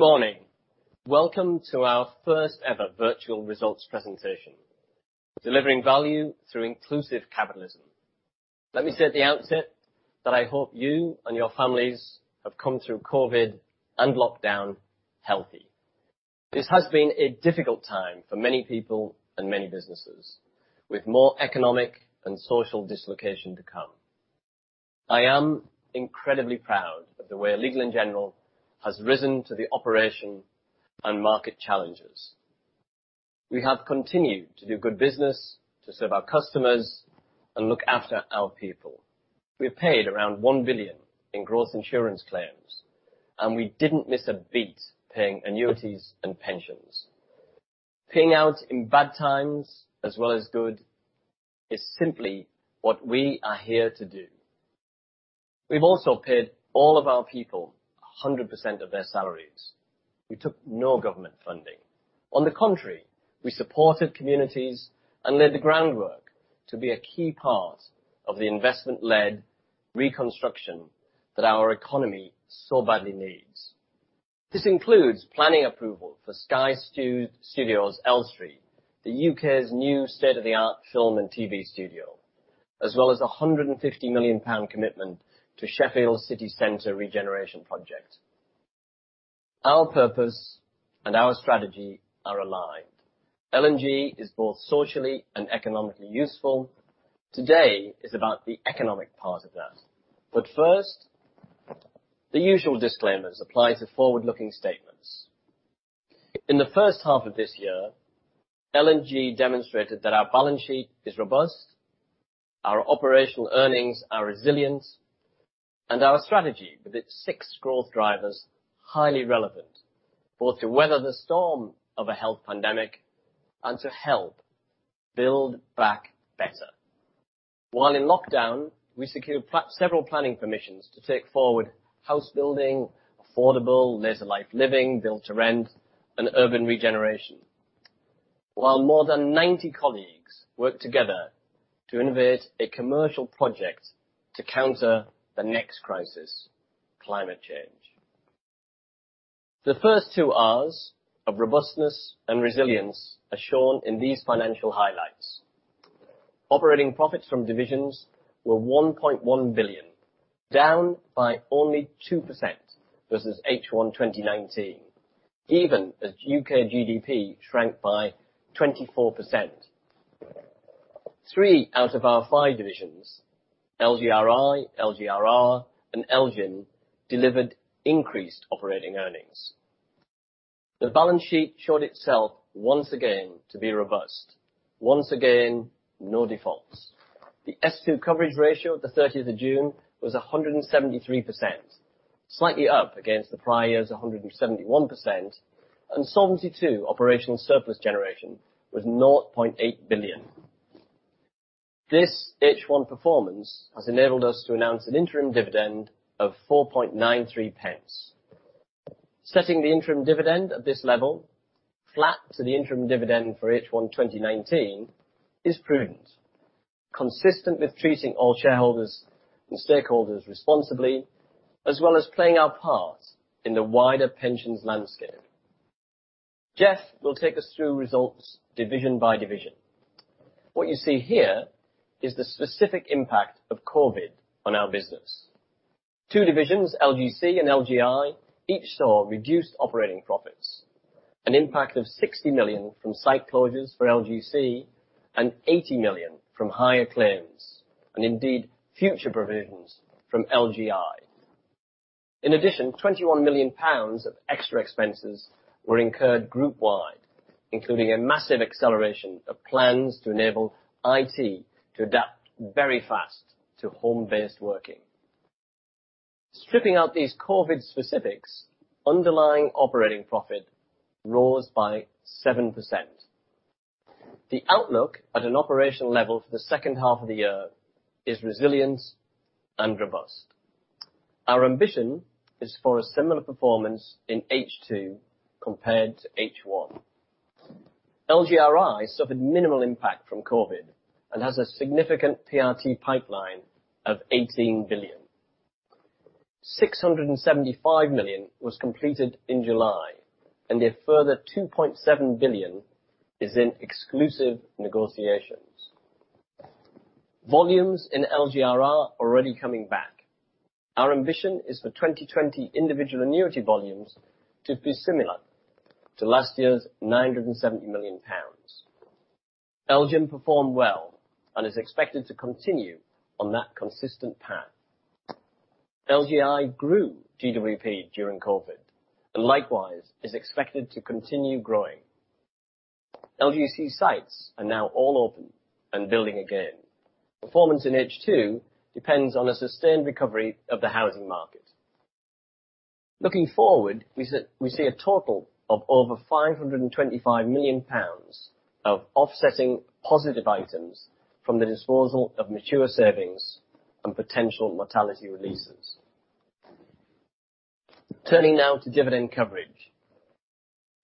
Good morning. Welcome to our first-ever Virtual Results Presentation: Delivering Value Through Inclusive Capitalism. Let me say at the outset that I hope you and your families have come through COVID and lockdown healthy. This has been a difficult time for many people and many businesses, with more economic and social dislocation to come. I am incredibly proud of the way Legal & General has risen to the operation and market challenges. We have continued to do good business, to serve our customers, and look after our people. We have paid around $1 billion in gross insurance claims, and we did not miss a beat paying annuities and pensions. Paying out in bad times as well as good is simply what we are here to do. We have also paid all of our people 100% of their salaries. We took no government funding. On the contrary, we supported communities and laid the groundwork to be a key part of the investment-led reconstruction that our economy so badly needs. This includes planning approval for Sky Studios Elstree, the U.K.'s new state-of-the-art film and TV studio, as well as a 150 million pound commitment to Sheffield City Centre Regeneration Project. Our purpose and our strategy are aligned. L&G is both socially and economically useful. Today is about the economic part of that. First, the usual disclaimers apply to forward-looking statements. In the first half of this year, L&G demonstrated that our balance sheet is robust, our operational earnings are resilient, and our strategy with its six growth drivers is highly relevant, both to weather the storm of a health pandemic and to help build back better. While in lockdown, we secured several planning permissions to take forward house building, affordable, leisure-like living, build-to-rent, and urban regeneration, while more than 90 colleagues worked together to innovate a commercial project to counter the next crisis: climate change. The first two Rs of robustness and resilience are shown in these financial highlights. Operating profits from divisions were $1.1 billion, down by only 2% versus H1 2019, even as U.K. GDP shrank by 24%. Three out of our five divisions, LGRI, LGRR, and LGIM, delivered increased operating earnings. The balance sheet showed itself once again to be robust. Once again, no defaults. The S2 coverage ratio at the 30th of June was 173%, slightly up against the prior year's 171%, and Solvency II operational surplus generation was 0.8 billion. This H1 performance has enabled us to announce an interim dividend of 4.93. Setting the interim dividend at this level, flat to the interim dividend for H1 2019, is prudent, consistent with treating all shareholders and stakeholders responsibly, as well as playing our part in the wider pensions landscape. Jeff will take us through results division by division. What you see here is the specific impact of COVID on our business. Two divisions, LGC and LGI, each saw reduced operating profits, an impact of 60 million from site closures for LGC and 80 million from higher claims, and indeed future provisions from LGI. In addition, 21 million pounds of extra expenses were incurred group-wide, including a massive acceleration of plans to enable IT to adapt very fast to home-based working. Stripping out these COVID specifics, underlying operating profit rose by 7%. The outlook at an operational level for the second half of the year is resilient and robust. Our ambition is for a similar performance in H2 compared to H1. LGRI suffered minimal impact from COVID and has a significant PRT pipeline of 18 billion. 675 million was completed in July, and a further 2.7 billion is in exclusive negotiations. Volumes in LGRI are already coming back. Our ambition is for 2020 individual annuity volumes to be similar to last year's 970 million pounds. LGIM performed well and is expected to continue on that consistent path. LGI grew GWP during COVID and likewise is expected to continue growing. LGC sites are now all open and building again. Performance in H2 depends on a sustained recovery of the housing market. Looking forward, we see a total of over 525 million pounds of offsetting positive items from the disposal of mature savings and potential mortality releases. Turning now to dividend coverage.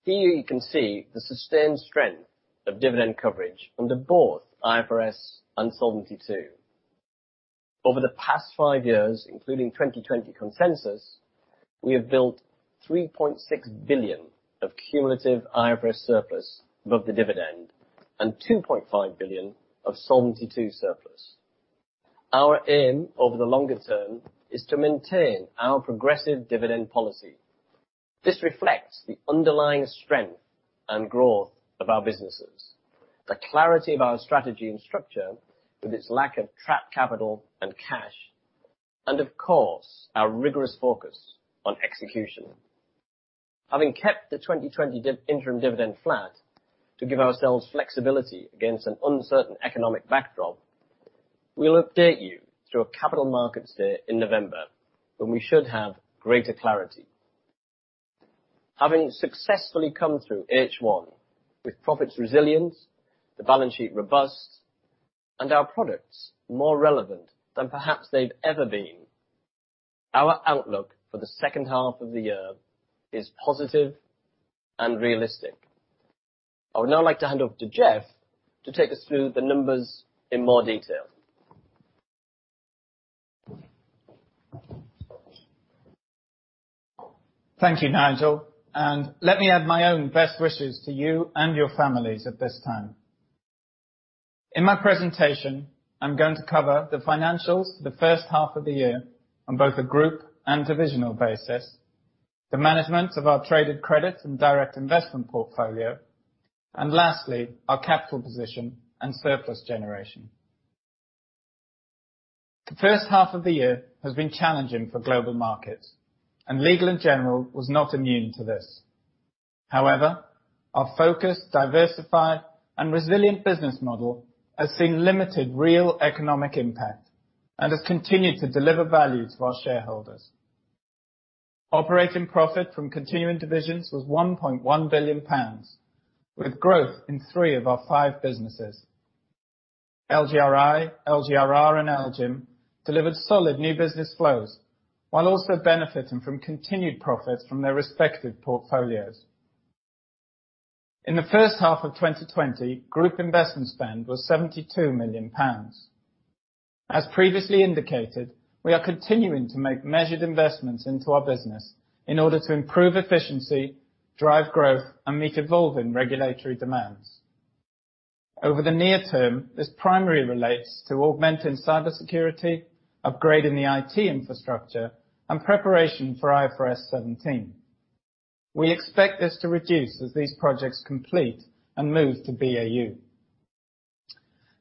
Here you can see the sustained strength of dividend coverage under both IFRS and Solvency II. Over the past five years, including 2020 consensus, we have built 3.6 billion of cumulative IFRS surplus above the dividend and 2.5 billion of Solvency II surplus. Our aim over the longer term is to maintain our progressive dividend policy. This reflects the underlying strength and growth of our businesses, the clarity of our strategy and structure with its lack of trapped capital and cash, and of course, our rigorous focus on execution. Having kept the 2020 interim dividend flat to give ourselves flexibility against an uncertain economic backdrop, we'll update you through a Capital Markets Day in November when we should have greater clarity. Having successfully come through H1 with profits resilient, the balance sheet robust, and our products more relevant than perhaps they've ever been, our outlook for the second half of the year is positive and realistic. I would now like to hand over to Jeff to take us through the numbers in more detail. Thank you, Nigel. Let me add my own best wishes to you and your families at this time. In my presentation, I'm going to cover the financials for the first half of the year on both a group and divisional basis, the management of our traded credit and direct investment portfolio, and lastly, our capital position and surplus generation. The first half of the year has been challenging for global markets, and Legal & General was not immune to this. However, our focused, diversified, and resilient business model has seen limited real economic impact and has continued to deliver value to our shareholders. Operating profit from continuing divisions was 1.1 billion pounds, with growth in three of our five businesses. LGRI, LGRR, and LGIM delivered solid new business flows while also benefiting from continued profits from their respective portfolios. In the first half of 2020, group investment spend was 72 million pounds. As previously indicated, we are continuing to make measured investments into our business in order to improve efficiency, drive growth, and meet evolving regulatory demands. Over the near term, this primarily relates to augmenting cybersecurity, upgrading the IT infrastructure, and preparation for IFRS 17. We expect this to reduce as these projects complete and move to BAU.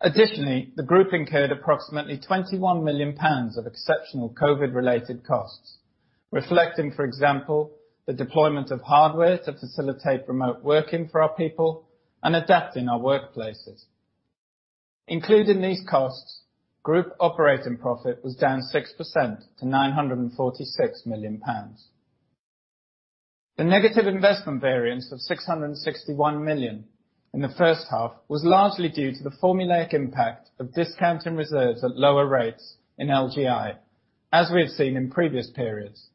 Additionally, the group incurred approximately 21 million pounds of exceptional COVID-related costs, reflecting, for example, the deployment of hardware to facilitate remote working for our people and adapting our workplaces. Including these costs, group operating profit was down 6% to 946 million pounds. The negative investment variance of 661 million in the first half was largely due to the formulaic impact of discounting reserves at lower rates in LGI, as we have seen in previous periods,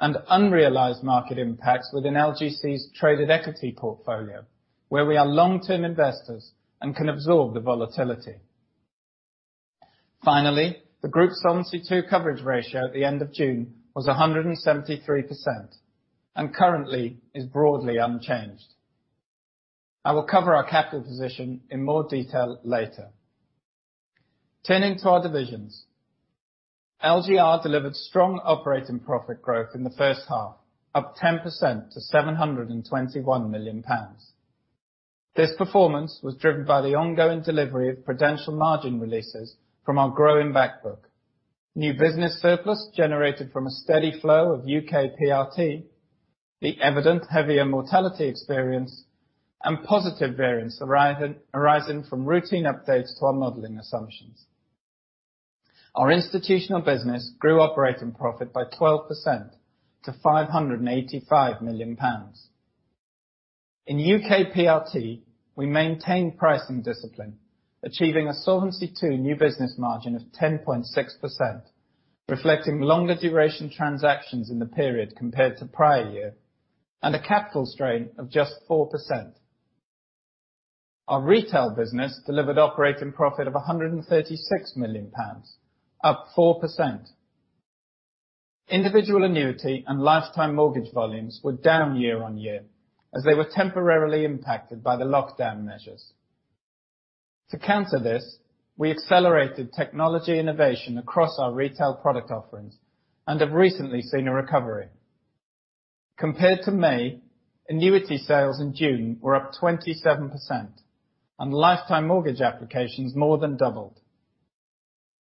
and unrealized market impacts within LGC's traded equity portfolio, where we are long-term investors and can absorb the volatility. Finally, the group Solvency II coverage ratio at the end of June was 173% and currently is broadly unchanged. I will cover our capital position in more detail later. Turning to our divisions, LGR delivered strong operating profit growth in the first half, up 10% to 721 million pounds. This performance was driven by the ongoing delivery of prudential margin releases from our growing backbook, new business surplus generated from a steady flow of UK PRT, the evident heavier mortality experience, and positive variance arising from routine updates to our modeling assumptions. Our institutional business grew operating profit by 12% to 585 million pounds. In U.K. PRT, we maintained pricing discipline, achieving a Solvency II new business margin of 10.6%, reflecting longer duration transactions in the period compared to prior year and a capital strain of just 4%. Our retail business delivered operating profit of 136 million pounds, up 4%. Individual annuity and lifetime mortgage volumes were down year-on-year as they were temporarily impacted by the lockdown measures. To counter this, we accelerated technology innovation across our retail product offerings and have recently seen a recovery. Compared to May, annuity sales in June were up 27%, and lifetime mortgage applications more than doubled.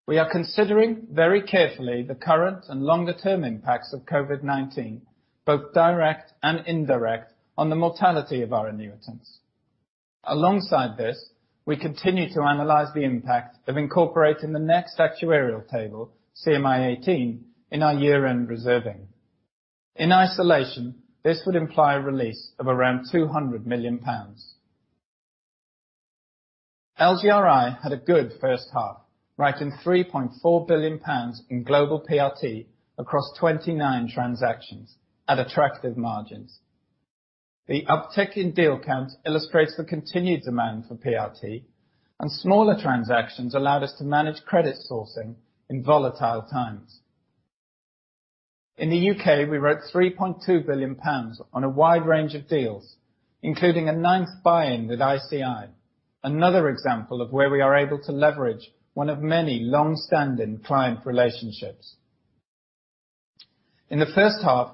We are considering very carefully the current and longer-term impacts of COVID-19, both direct and indirect, on the mortality of our annuitants. Alongside this, we continue to analyze the impact of incorporating the next actuarial table, CMI 18, in our year-end reserving. In isolation, this would imply a release of around 200 million pounds. LGRI had a good first half, writing 3.4 billion pounds in global PRT across 29 transactions at attractive margins. The uptick in deal counts illustrates the continued demand for PRT, and smaller transactions allowed us to manage credit sourcing in volatile times. In the U.K., we wrote 3.2 billion pounds on a wide range of deals, including a ninth buy-in with ICI, another example of where we are able to leverage one of many long-standing client relationships. In the first half,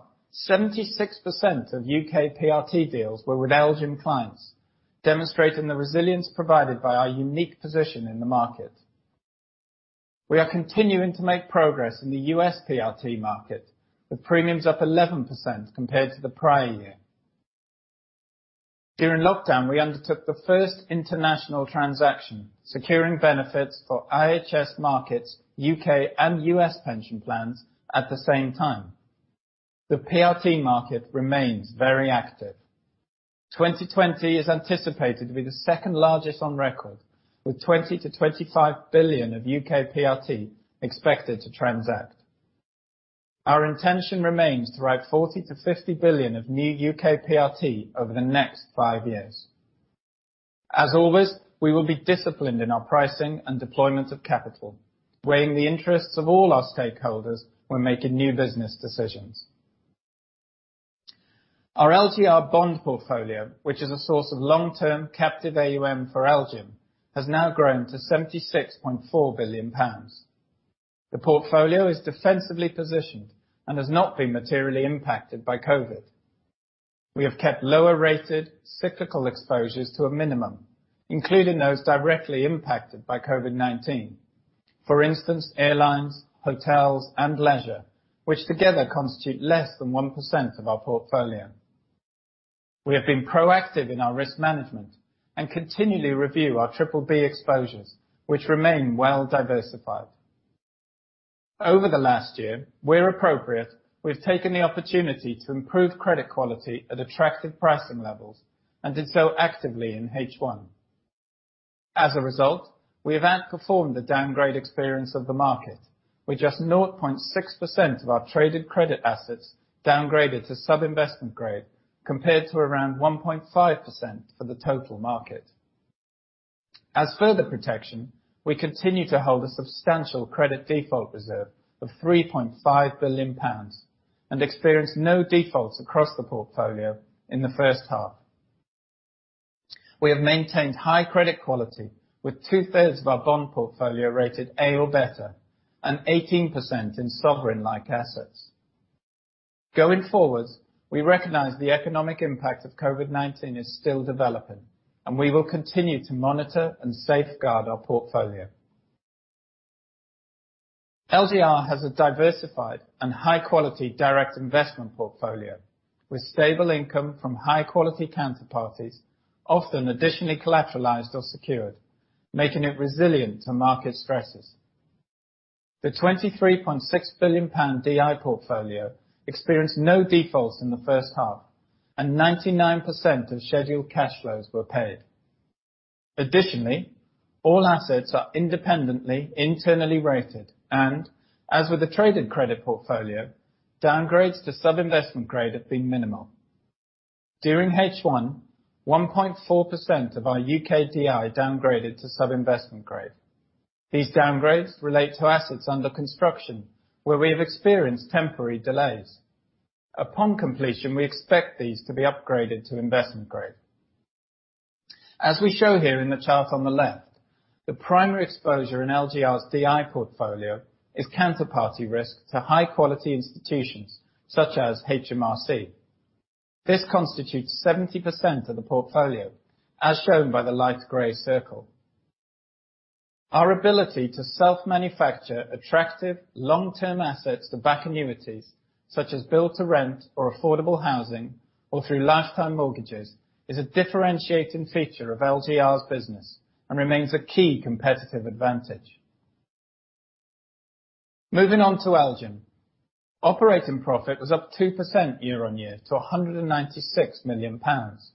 76% of U.K. PRT deals were with LGIM clients, demonstrating the resilience provided by our unique position in the market. We are continuing to make progress in the US PRT market, with premiums up 11% compared to the prior year. During lockdown, we undertook the first international transaction, securing benefits for IHS Markit’s U.K. and U.S. pension plans at the same time. The PRT market remains very active. 2020 is anticipated to be the second largest on record, with 20 billion-25 billion of U.K. PRT expected to transact. Our intention remains to write 40 billion-50 billion of new U.K. PRT over the next five years. As always, we will be disciplined in our pricing and deployment of capital, weighing the interests of all our stakeholders when making new business decisions. Our LGR bond portfolio, which is a source of long-term captive AUM for LGIM, has now grown to 76.4 billion pounds. The portfolio is defensively positioned and has not been materially impacted by COVID. We have kept lower-rated cyclical exposures to a minimum, including those directly impacted by COVID-19, for instance, airlines, hotels, and leisure, which together constitute less than 1% of our portfolio. We have been proactive in our risk management and continually review our triple B exposures, which remain well diversified. Over the last year, where appropriate, we've taken the opportunity to improve credit quality at attractive pricing levels and did so actively in H1. As a result, we have outperformed the downgrade experience of the market, with just 0.6% of our traded credit assets downgraded to sub-investment grade compared to around 1.5% for the total market. As further protection, we continue to hold a substantial credit default reserve of 3.5 billion pounds and experience no defaults across the portfolio in the first half. We have maintained high credit quality, with two-thirds of our bond portfolio rated A or better and 18% in sovereign-like assets. Going forward, we recognize the economic impact of COVID-19 is still developing, and we will continue to monitor and safeguard our portfolio. LGR has a diversified and high-quality direct investment portfolio with stable income from high-quality counterparties, often additionally collateralized or secured, making it resilient to market stresses. The 23.6 billion pound DI portfolio experienced no defaults in the first half, and 99% of scheduled cash flows were paid. Additionally, all assets are independently internally rated and, as with the traded credit portfolio, downgrades to sub-investment grade have been minimal. During H1, 1.4% of our U.K. DI downgraded to sub-investment grade. These downgrades relate to assets under construction, where we have experienced temporary delays. Upon completion, we expect these to be upgraded to investment grade. As we show here in the chart on the left, the primary exposure in LGR's DI portfolio is counterparty risk to high-quality institutions such as HMRC. This constitutes 70% of the portfolio, as shown by the light gray circle. Our ability to self-manufacture attractive long-term assets to back annuities, such as build-to-rent or affordable housing or through lifetime mortgages, is a differentiating feature of LGR's business and remains a key competitive advantage. Moving on to LGIM, operating profit was up 2% year-on-year to 196 million pounds,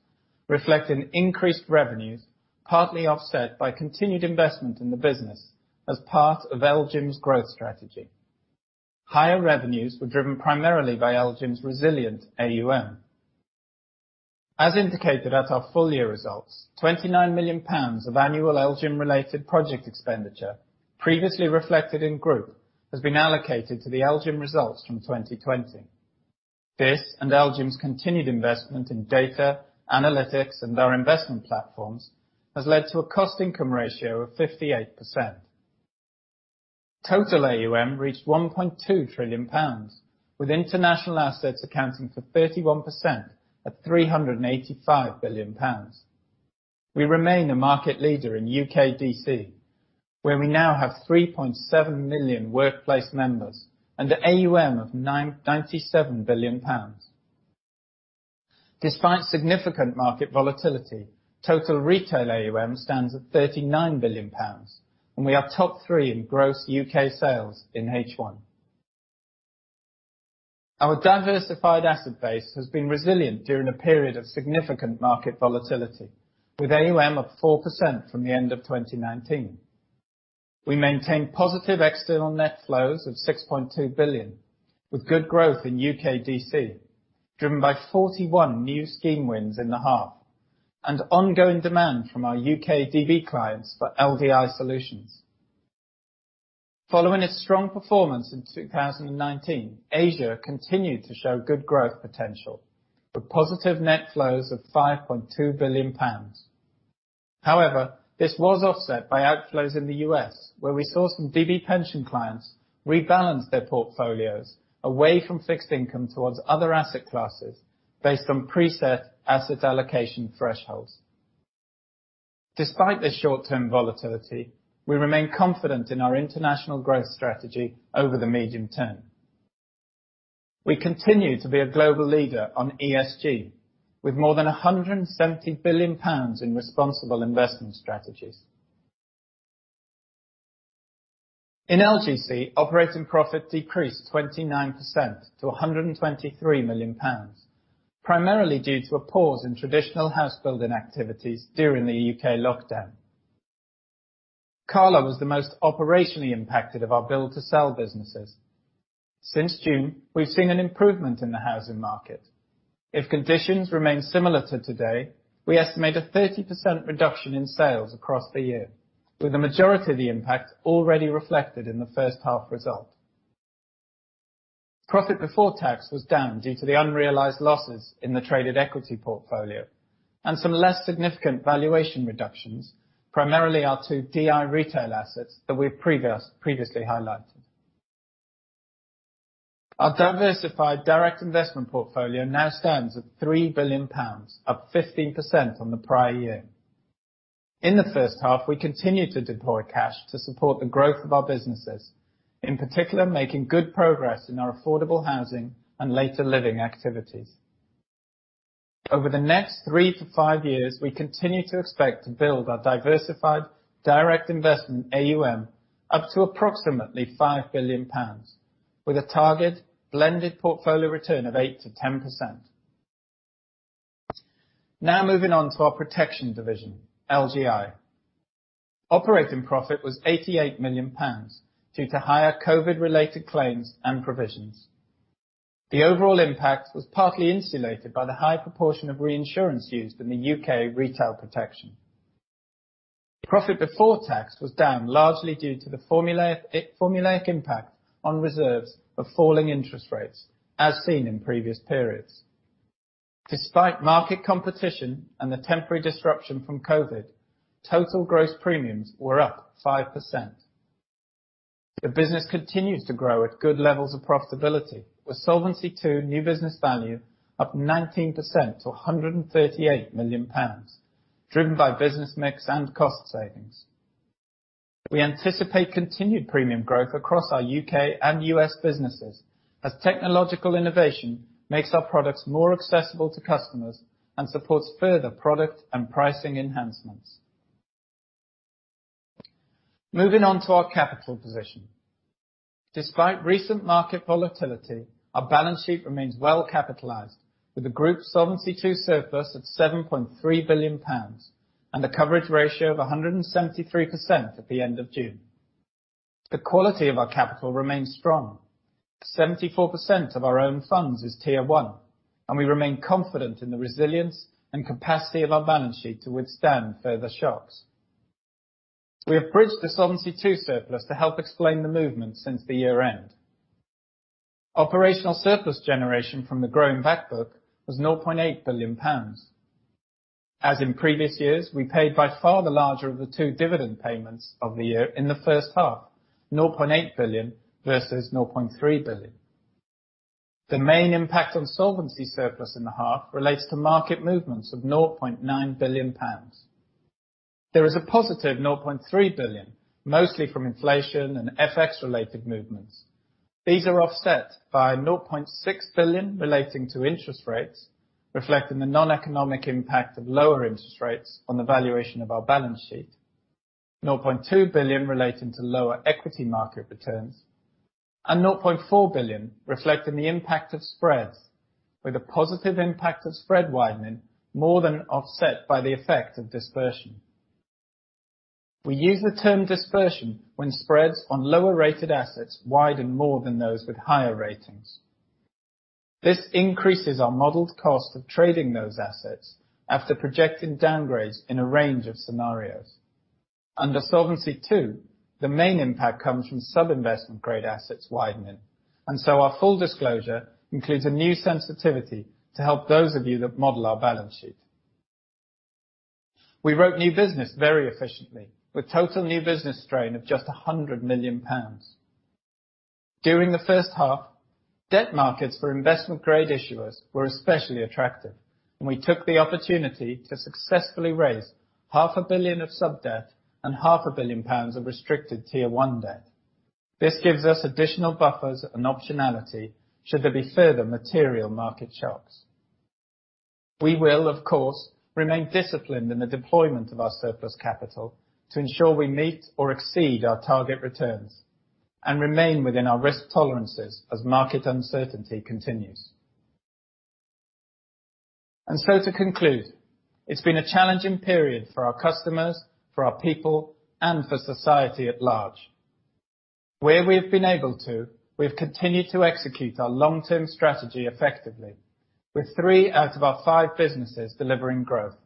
reflecting increased revenues partly offset by continued investment in the business as part of LGIM's growth strategy. Higher revenues were driven primarily by LGIM's resilient AUM. As indicated at our full year results, 29 million pounds of annual LGIM-related project expenditure, previously reflected in group, has been allocated to the LGIM results from 2020. This and LGIM's continued investment in data, analytics, and our investment platforms has led to a cost-income ratio of 58%. Total AUM reached 1.2 trillion pounds, with international assets accounting for 31% at 385 billion pounds. We remain a market leader in UKDC, where we now have 3.7 million workplace members and an AUM of 97 billion pounds. Despite significant market volatility, total retail AUM stands at 39 billion pounds, and we are top three in gross UK sales in H1. Our diversified asset base has been resilient during a period of significant market volatility, with AUM up 4% from the end of 2019. We maintain positive external net flows of 6.2 billion, with good growth in UKDC driven by 41 new scheme wins in the half and ongoing demand from our UKDB clients for LDI solutions. Following its strong performance in 2019, Asia continued to show good growth potential, with positive net flows of 5.2 billion pounds. However, this was offset by outflows in the U.S., where we saw some DB pension clients rebalance their portfolios away from fixed income towards other asset classes based on preset asset allocation thresholds. Despite this short-term volatility, we remain confident in our international growth strategy over the medium term. We continue to be a global leader on ESG, with more than 170 billion pounds in responsible investment strategies. In LGC, operating profit decreased 29% to 123 million pounds, primarily due to a pause in traditional house building activities during the U.K. lockdown. CALA Homes was the most operationally impacted of our build-to-sell businesses. Since June, we've seen an improvement in the housing market. If conditions remain similar to today, we estimate a 30% reduction in sales across the year, with the majority of the impact already reflected in the first half result. Profit before tax was down due to the unrealized losses in the traded equity portfolio and some less significant valuation reductions, primarily our two DI retail assets that we've previously highlighted. Our diversified direct investment portfolio now stands at 3 billion pounds, up 15% on the prior year. In the first half, we continue to deploy cash to support the growth of our businesses, in particular making good progress in our affordable housing and later living activities. Over the next three to five years, we continue to expect to build our diversified direct investment AUM up to approximately 5 billion pounds, with a target blended portfolio return of 8%-10%. Now moving on to our protection division, LGI. Operating profit was 88 million pounds due to higher COVID-related claims and provisions. The overall impact was partly insulated by the high proportion of reinsurance used in the U.K. retail protection. Profit before tax was down largely due to the formulaic impact on reserves of falling interest rates, as seen in previous periods. Despite market competition and the temporary disruption from COVID, total gross premiums were up 5%. The business continues to grow at good levels of profitability, with Solvency II new business value up 19% to 138 million pounds, driven by business mix and cost savings. We anticipate continued premium growth across our U.K. and U.S. businesses as technological innovation makes our products more accessible to customers and supports further product and pricing enhancements. Moving on to our capital position. Despite recent market volatility, our balance sheet remains well capitalized, with the group Solvency II surplus of 7.3 billion pounds and a coverage ratio of 173% at the end of June. The quality of our capital remains strong. 74% of our own funds is Tier one, and we remain confident in the resilience and capacity of our balance sheet to withstand further shocks. We have bridged the Solvency II surplus to help explain the movement since the year-end. Operational surplus generation from the growing back book was 0.8 billion pounds. As in previous years, we paid by far the larger of the two dividend payments of the year in the first half, 0.8 billion versus 0.3 billion. The main impact on solvency surplus in the half relates to market movements of 0.9 billion pounds. There is a positive 0.3 billion, mostly from inflation and FX-related movements. These are offset by 0.6 billion relating to interest rates, reflecting the non-economic impact of lower interest rates on the valuation of our balance sheet, 0.2 billion relating to lower equity market returns, and 0.4 billion reflecting the impact of spreads, with a positive impact of spread widening more than offset by the effect of dispersion. We use the term dispersion when spreads on lower-rated assets widen more than those with higher ratings. This increases our modeled cost of trading those assets after projecting downgrades in a range of scenarios. Under Solvency II, the main impact comes from sub-investment grade assets widening, and so our full disclosure includes a new sensitivity to help those of you that model our balance sheet. We wrote new business very efficiently, with total new business strain of just 100 million pounds. During the first half, debt markets for investment grade issuers were especially attractive, and we took the opportunity to successfully raise 500 million of sub-debt and 500 million pounds of restricted tier one debt. This gives us additional buffers and optionality should there be further material market shocks. We will, of course, remain disciplined in the deployment of our surplus capital to ensure we meet or exceed our target returns and remain within our risk tolerances as market uncertainty continues. To conclude, it's been a challenging period for our customers, for our people, and for society at large. Where we have been able to, we have continued to execute our long-term strategy effectively, with three out of our five businesses delivering growth.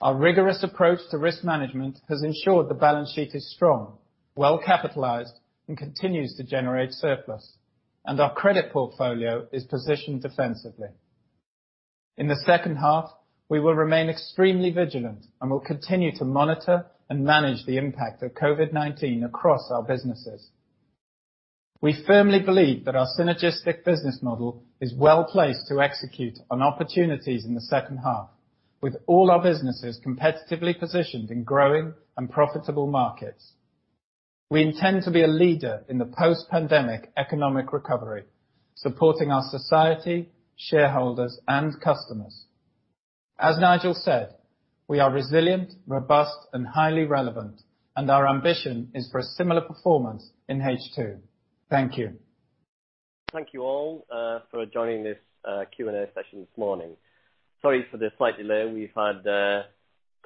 Our rigorous approach to risk management has ensured the balance sheet is strong, well capitalized, and continues to generate surplus, and our credit portfolio is positioned defensively. In the second half, we will remain extremely vigilant and will continue to monitor and manage the impact of COVID-19 across our businesses. We firmly believe that our synergistic business model is well placed to execute on opportunities in the second half, with all our businesses competitively positioned in growing and profitable markets. We intend to be a leader in the post-pandemic economic recovery, supporting our society, shareholders, and customers. As Nigel said, we are resilient, robust, and highly relevant, and our ambition is for a similar performance in H2. Thank you. Thank you all for joining this Q&A session this morning. Sorry for the slight delay. We've had the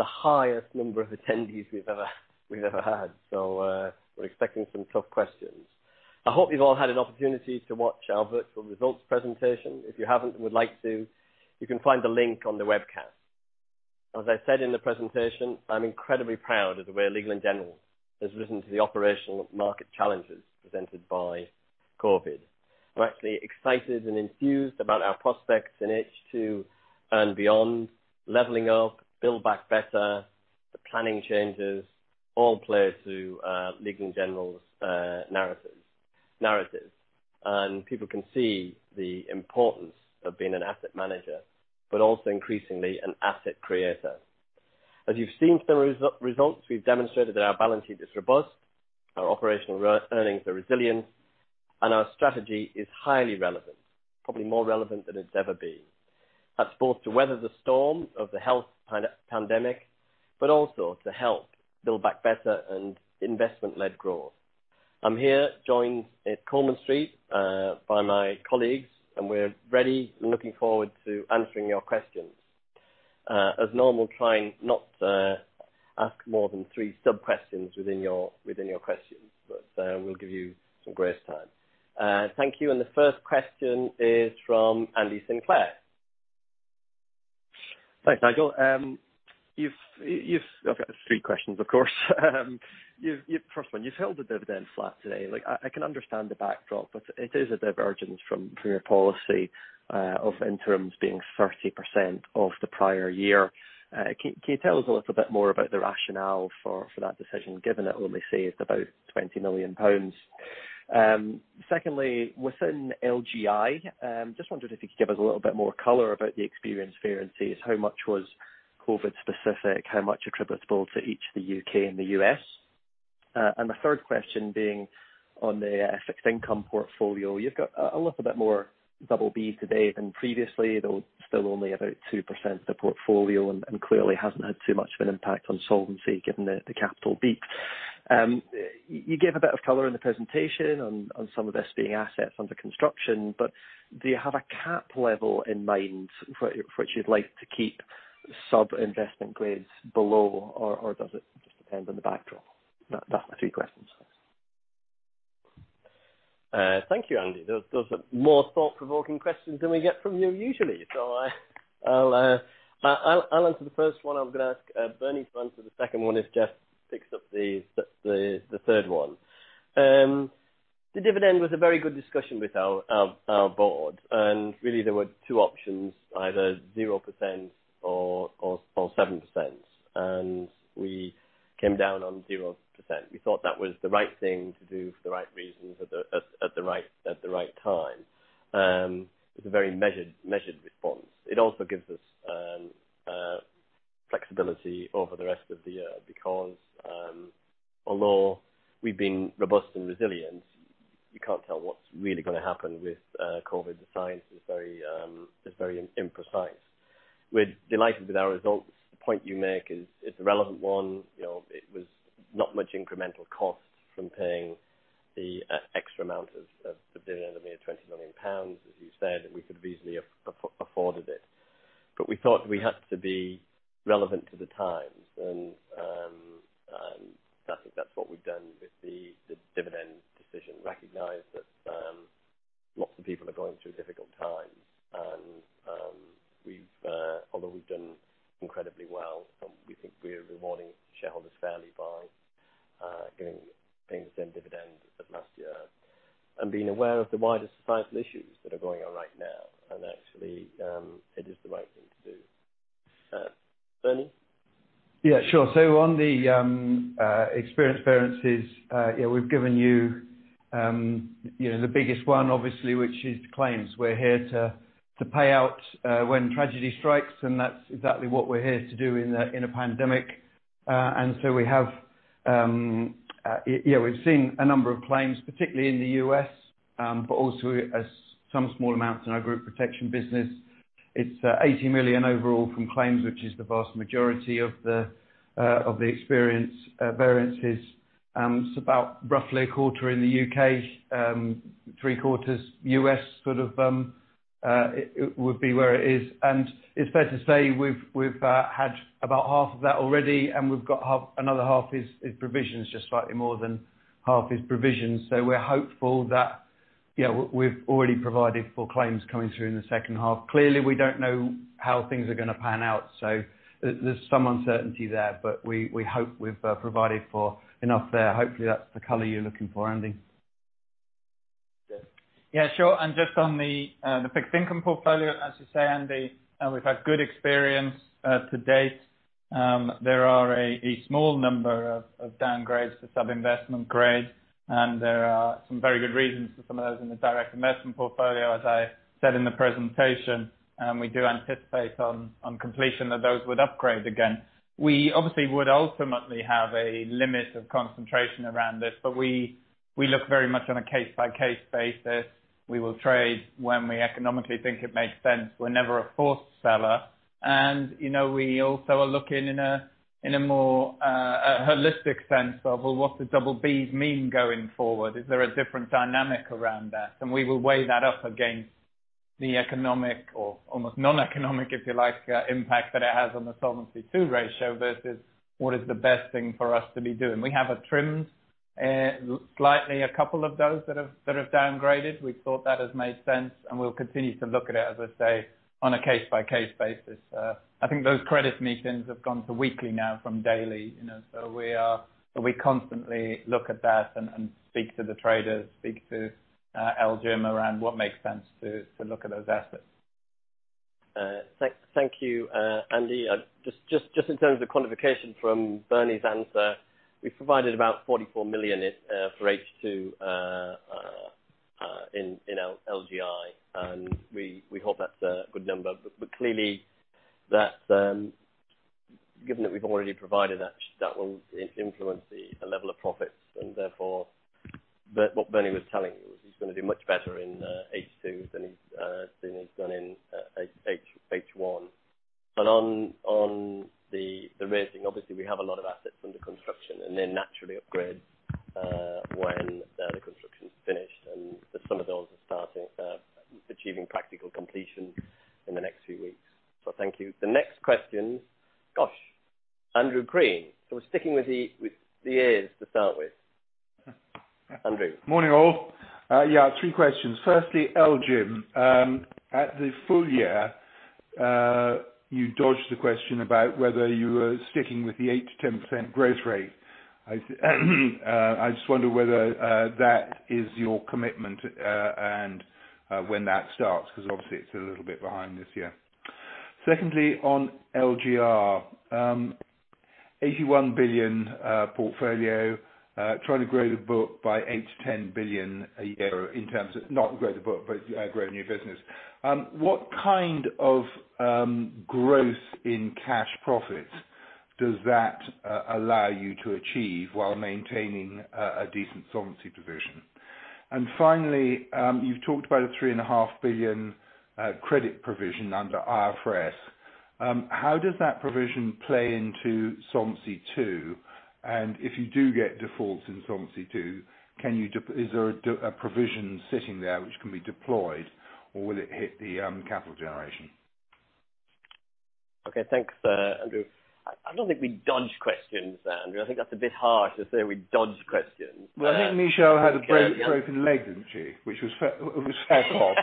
highest number of attendees we've ever had, so we're expecting some tough questions. I hope you've all had an opportunity to watch our virtual results presentation. If you haven't and would like to, you can find the link on the webcast. As I said in the presentation, I'm incredibly proud of the way Legal & General has risen to the operational market challenges presented by COVID. I'm actually excited and enthused about our prospects in H2 and beyond, leveling up, build back better, the planning changes, all played to Legal & General's narratives. People can see the importance of being an asset manager, but also increasingly an asset creator. As you've seen from the results, we've demonstrated that our balance sheet is robust, our operational earnings are resilient, and our strategy is highly relevant, probably more relevant than it's ever been. That's both to weather the storm of the health pandemic, but also to help build back better and investment-led growth. I'm here joined at Coleman Street by my colleagues, and we're ready and looking forward to answering your questions. As normal, try and not ask more than three sub-questions within your questions, but we'll give you some grace time. Thank you. The first question is from Andy Sinclair. Thanks, Nigel. You've got three questions, of course. First one, you've held the dividend flat today. I can understand the backdrop, but it is a divergence from your policy of interims being 30% of the prior year. Can you tell us a little bit more about the rationale for that decision, given it only saved about 20 million pounds? Secondly, within LGI, just wondered if you could give us a little bit more color about the experience fair and see how much was COVID-specific, how much attributable to each of the U.K. and the U.S.? The third question being on the fixed income portfolio, you've got a little bit more double B today than previously, though still only about 2% of the portfolio and clearly hasn't had too much of an impact on solvency given the capital beat. You gave a bit of color in the presentation on some of this being assets under construction, but do you have a cap level in mind for which you'd like to keep sub-investment grades below, or does it just depend on the backdrop? That's the three questions. Thank you, Andy. Those are more thought-provoking questions than we get from you usually, so I'll answer the first one. I'm going to ask Bernie to answer the second one if Jeff picks up the third one. The dividend was a very good discussion with our board, and really there were two options, either 0% or 7%, and we came down on 0%. We thought that was the right thing to do for the right reasons at the right time. It was a very measured response. It also gives us flexibility over the rest of the year because although we've been robust and resilient, you can't tell what's really going to happen with COVID. The science is very imprecise. We're delighted with our results. The point you make is it's a relevant one. It was not much incremental cost from paying the extra amount of dividend of nearly 20 million pounds, as you said, and we could have easily afforded it. We thought we had to be relevant to the times, and I think that's what we've done with the dividend decision. Recognize that lots of people are going through difficult times, and although we've done incredibly well, we think we're rewarding shareholders fairly by paying the same dividend as last year and being aware of the wider societal issues that are going on right now. Actually, it is the right thing to do. Bernie? Yeah, sure. On the experience variances, yeah, we've given you the biggest one, obviously, which is claims. We're here to pay out when tragedy strikes, and that's exactly what we're here to do in a pandemic. We have seen a number of claims, particularly in the U.S., but also some small amounts in our group protection business. It's 80 million overall from claims, which is the vast majority of the experience variances. It's about roughly a quarter in the UK, three quarters U.S. sort of would be where it is. It is fair to say we have had about half of that already, and we have got another half as provisions, just slightly more than half as provisions. We are hopeful that we have already provided for claims coming through in the second half. Clearly, we do not know how things are going to pan out, so there is some uncertainty there, but we hope we have provided for enough there. Hopefully, that is the color you are looking for, Andy. Yeah, sure. Just on the fixed income portfolio, as you say, Andy, we have had good experience to date. There are a small number of downgrades for sub-investment grade, and there are some very good reasons for some of those in the direct investment portfolio. As I said in the presentation, we do anticipate on completion that those would upgrade again. We obviously would ultimately have a limit of concentration around this, but we look very much on a case-by-case basis. We will trade when we economically think it makes sense. We're never a forced seller. We also are looking in a more holistic sense of, you know, what do double Bs mean going forward? Is there a different dynamic around that? We will weigh that up against the economic or almost non-economic, if you like, impact that it has on the Solvency II ratio versus what is the best thing for us to be doing. We have trimmed slightly a couple of those that have downgraded. We thought that has made sense, and we'll continue to look at it, as I say, on a case-by-case basis. I think those credit meetings have gone to weekly now from daily, so we constantly look at that and speak to the traders, speak to LGIM around what makes sense to look at those assets. Thank you, Andy. Just in terms of quantification from Bernie's answer, we've provided about 44 million for H2 in LGI, and we hope that's a good number. Clearly, given that we've already provided that, that will influence the level of profits. Therefore, what Bernie was telling you is he's going to do much better in H2 than he's done in H1. On the rating, obviously, we have a lot of assets under construction, and they're naturally upgraded when the construction's finished, and some of those are achieving practical completion in the next few weeks. Thank you. The next question, gosh, Andrew Crean. We're sticking with the ears to start with. Andrew. Morning, all. Yeah, three questions. Firstly, Elgin. At the full year, you dodged the question about whether you were sticking with the 8%-10% growth rate. I just wonder whether that is your commitment and when that starts, because obviously, it's a little bit behind this year. Secondly, on LGR, 81 billion portfolio, trying to grow the book by 8 billion-10 billion a year in terms of not grow the book, but growing your business. What kind of growth in cash profit does that allow you to achieve while maintaining a decent solvency position? Finally, you've talked about a 3.5 billion credit provision under IFRS. How does that provision play into Solvency II? If you do get defaults in Solvency II, is there a provision sitting there which can be deployed, or will it hit the capital generation? Okay, thanks, Andrew. I do not think we dodged questions, Andrew. I think that is a bit harsh to say we dodged questions. I think Michelle had a broken leg, did she not? Which was fair talk.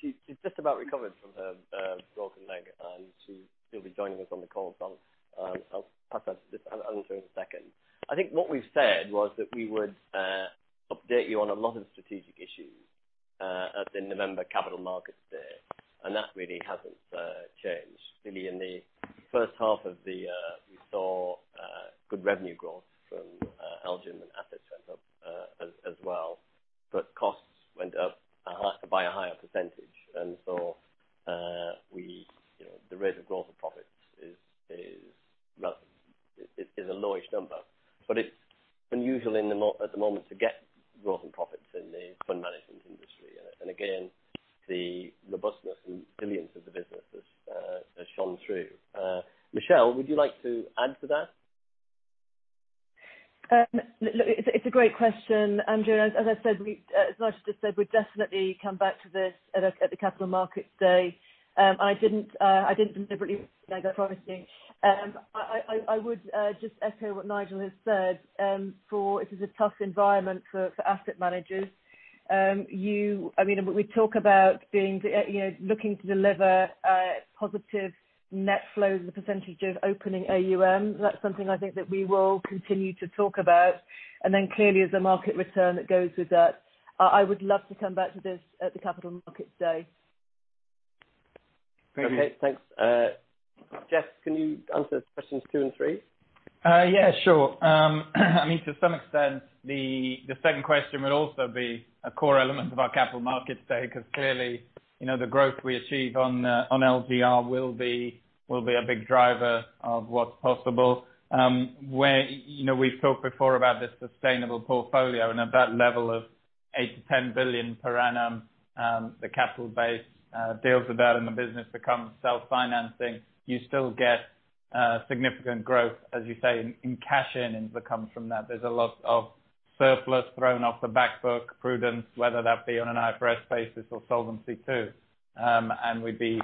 She is just about recovered from her broken leg, and she will be joining us on the call. I will pass that to you in a second. I think what we said was that we would update you on a lot of strategic issues at the November Capital Markets Day, and that really has not changed. Clearly, in the first half of the year, we saw good revenue growth from LGIM and assets went up as well, but costs went up by a higher percentage. The rate of growth of profits is a lowish number, but it is unusual at the moment to get growth in profits in the fund management industry. Again, the robustness and resilience of the business has shone through. Michelle, would you like to add to that? It's a great question, Andrew. As I said, as Nigel just said, we'll definitely come back to this at the capital markets day. I did not deliberately make that promising. I would just echo what Nigel has said for it is a tough environment for asset managers. I mean, we talk about looking to deliver positive net flows and the percentage of opening AUM. That's something I think that we will continue to talk about. Clearly, there's a market return that goes with that. I would love to come back to this at the capital markets day. Thank you. Okay, thanks. Jeff, can you answer questions two and three? Y Yeah, sure. I mean, to some extent, the second question would also be a core element of our Capital Markets Day because clearly, the growth we achieve on LGR will be a big driver of what's possible. We've talked before about the sustainable portfolio, and at that level of 8 billion-10 billion per annum, the capital base deals with that, and the business becomes self-financing. You still get significant growth, as you say, in cash earnings that come from that. There's a lot of surplus thrown off the backbook, prudence, whether that be on an IFRS basis or Solvency II. We'd be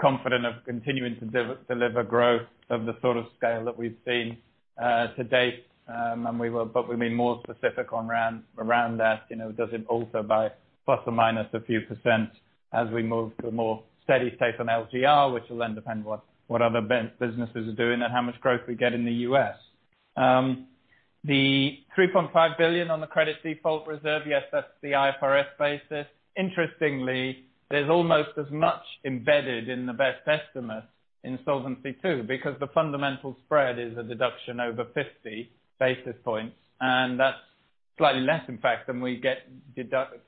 confident of continuing to deliver growth of the sort of scale that we've seen to date. We will be more specific around that. Does it alter by plus or minus a few percent as we move to a more steady state on LGR, which will then depend on what other businesses are doing and how much growth we get in the U.S.? The 3.5 billion on the credit default reserve, yes, that's the IFRS basis. Interestingly, there's almost as much embedded in the best estimate in Solvency II because the fundamental spread is a deduction over 50 basis points, and that's slightly less, in fact, than we get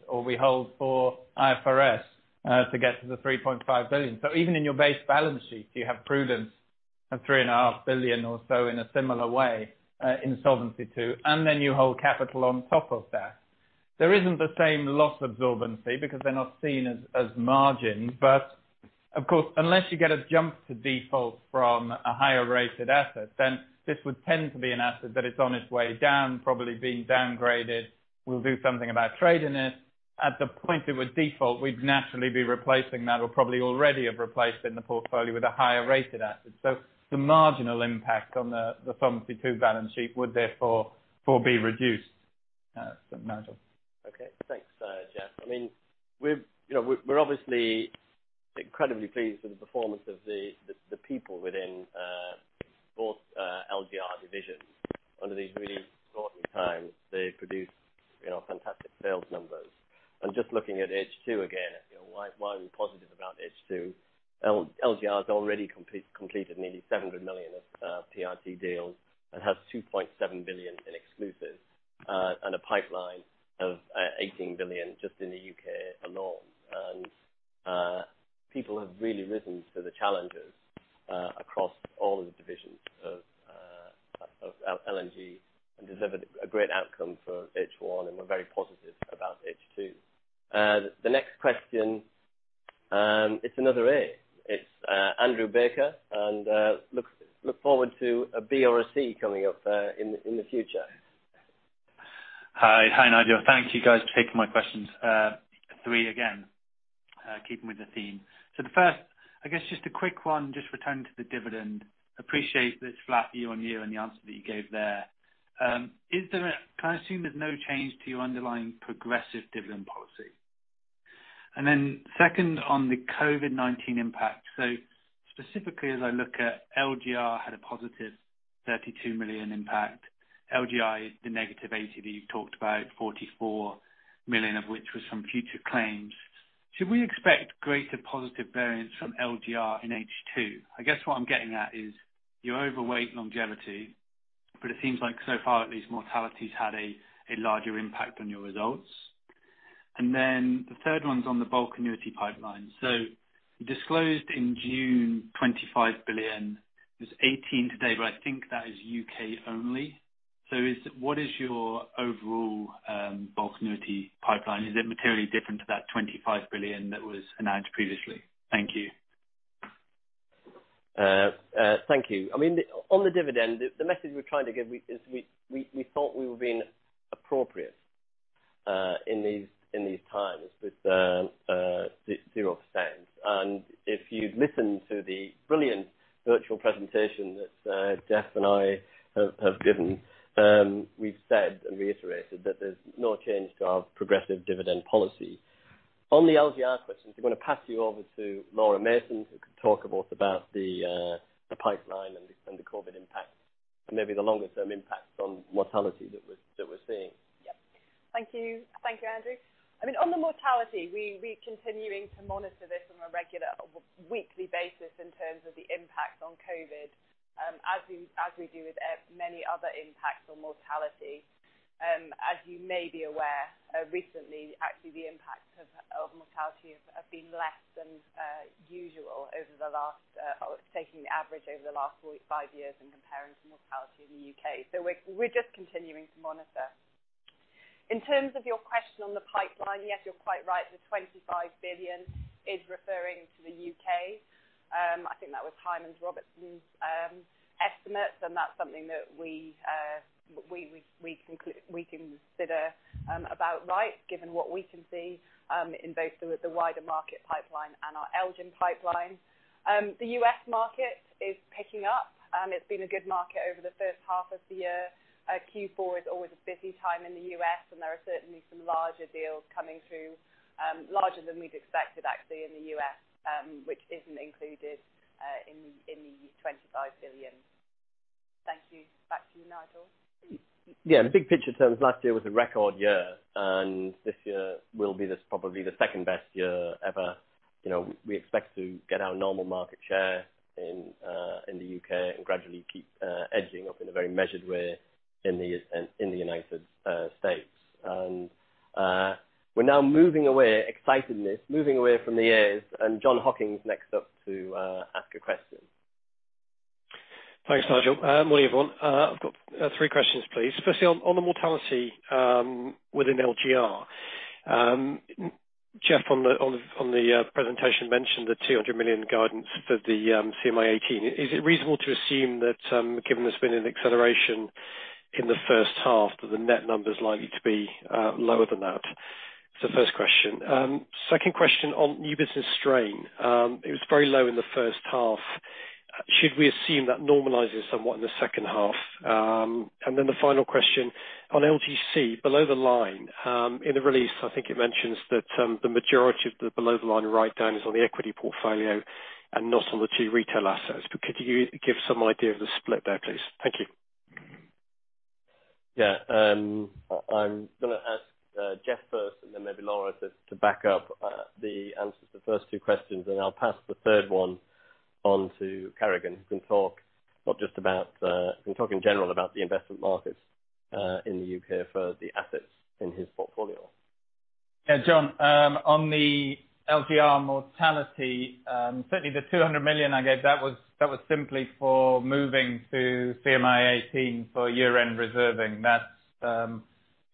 or we hold for IFRS to get to the 3.5 billion. Even in your base balance sheet, you have prudence of 3.5 billion or so in a similar way in Solvency II, and then you hold capital on top of that. There isn't the same loss absorbency because they're not seen as margins. Of course, unless you get a jump to default from a higher-rated asset, then this would tend to be an asset that is on its way down, probably being downgraded. We'll do something about trading it. At the point it would default, we'd naturally be replacing that or probably already have replaced in the portfolio with a higher-rated asset. The marginal impact on the Solvency II balance sheet would therefore be reduced. That's Nigel. Okay, thanks, Jeff. I mean, we're obviously incredibly pleased with the performance of the people within both LGR divisions. Under these really short times, they produced fantastic sales numbers. Just looking at H2 again, why are we positive about H2? LGR has already completed nearly 700 million of PRT deals and has 2.7 billion in exclusive and a pipeline of 18 billion just in the U.K. alone. People have really risen to the challenges across all of the divisions of L&G and delivered a great outcome for H1, and we are very positive about H2. The next question, it is another A. It is Andrew Baker, and look forward to a B or a C coming up in the future. Hi, Nigel. Thank you, guys, for taking my questions. Three again, keeping with the theme. The first, I guess, just a quick one, just returning to the dividend. Appreciate that it is flat year-on-year and the answer that you gave there. Can I assume there is no change to your underlying progressive dividend policy? Second, on the COVID-19 impact. Specifically, as I look at LGRI, had a positive 32 million impact. LGRI, the negative 80 that you have talked about, 44 million of which was from future claims. Should we expect greater positive variance from LGR in H2? I guess what I'm getting at is your overweight longevity, but it seems like so far, at least, mortality has had a larger impact on your results. The third one is on the bulk annuity pipeline. You disclosed in June 25 billion. There is 18 billion today, but I think that is U.K. only. What is your overall bulk annuity pipeline? Is it materially different to that 25 billion that was announced previously? Thank you. Thank you. I mean, on the dividend, the message we are trying to give is we thought we were being appropriate in these times with the 0%. If you had listened to the brilliant virtual presentation that Jeff and I have given, we have said and reiterated that there is no change to our progressive dividend policy. On the LGR questions, I'm going to pass you over to Laura Mason, who can talk about the pipeline and the COVID impacts and maybe the longer-term impacts on mortality that we're seeing. Yep. Thank you. Thank you, Andrew. I mean, on the mortality, we're continuing to monitor this on a regular weekly basis in terms of the impact on COVID, as we do with many other impacts on mortality. As you may be aware, recently, actually, the impacts of mortality have been less than usual over the last, taking the average over the last five years and comparing to mortality in the U.K. We're just continuing to monitor. In terms of your question on the pipeline, yes, you're quite right. The 25 billion is referring to the U.K. I think that was Hymans Robertson's estimates, and that's something that we can consider about right, given what we can see in both the wider market pipeline and our LGIM pipeline. The U.S market is picking up. It's been a good market over the first half of the year. Q4 is always a busy time in the US, and there are certainly some larger deals coming through, larger than we'd expected, actually, in the U.S., which isn't included in the 25 billion. Thank you. Back to you, Nigel. Yeah, in big picture terms, last year was a record year, and this year will be probably the second best year ever. We expect to get our normal market share in the UK and gradually keep edging up in a very measured way in the United States. We're now moving away, excitedness, moving away from the ears, and John Hocking's next up to ask a question. Thanks, Nigel. Morning, everyone. I've got three questions, please. Firstly, on the mortality within LGR, Jeff, on the presentation mentioned the 200 million guidance for the CMI 18. Is it reasonable to assume that, given there's been an acceleration in the first half, that the net number's likely to be lower than that? It's the first question. Second question on new business strain. It was very low in the first half. Should we assume that normalizes somewhat in the second half? And then the final question, on LGC, below the line, in the release, I think it mentions that the majority of the below-the-line write-down is on the equity portfolio and not on the two retail assets. Could you give some idea of the split there, please? Thank you. Yeah. I'm going to ask Jeff first, and then maybe Laura to back up the answers to the first two questions, and I'll pass the third one on to Kerrigan, who can talk not just about, who can talk in general about the investment markets in the U.K. for the assets in his portfolio. Yeah, John, on the LGR mortality, certainly the 200 million I gave, that was simply for moving to CMI 18 for year-end reserving. That's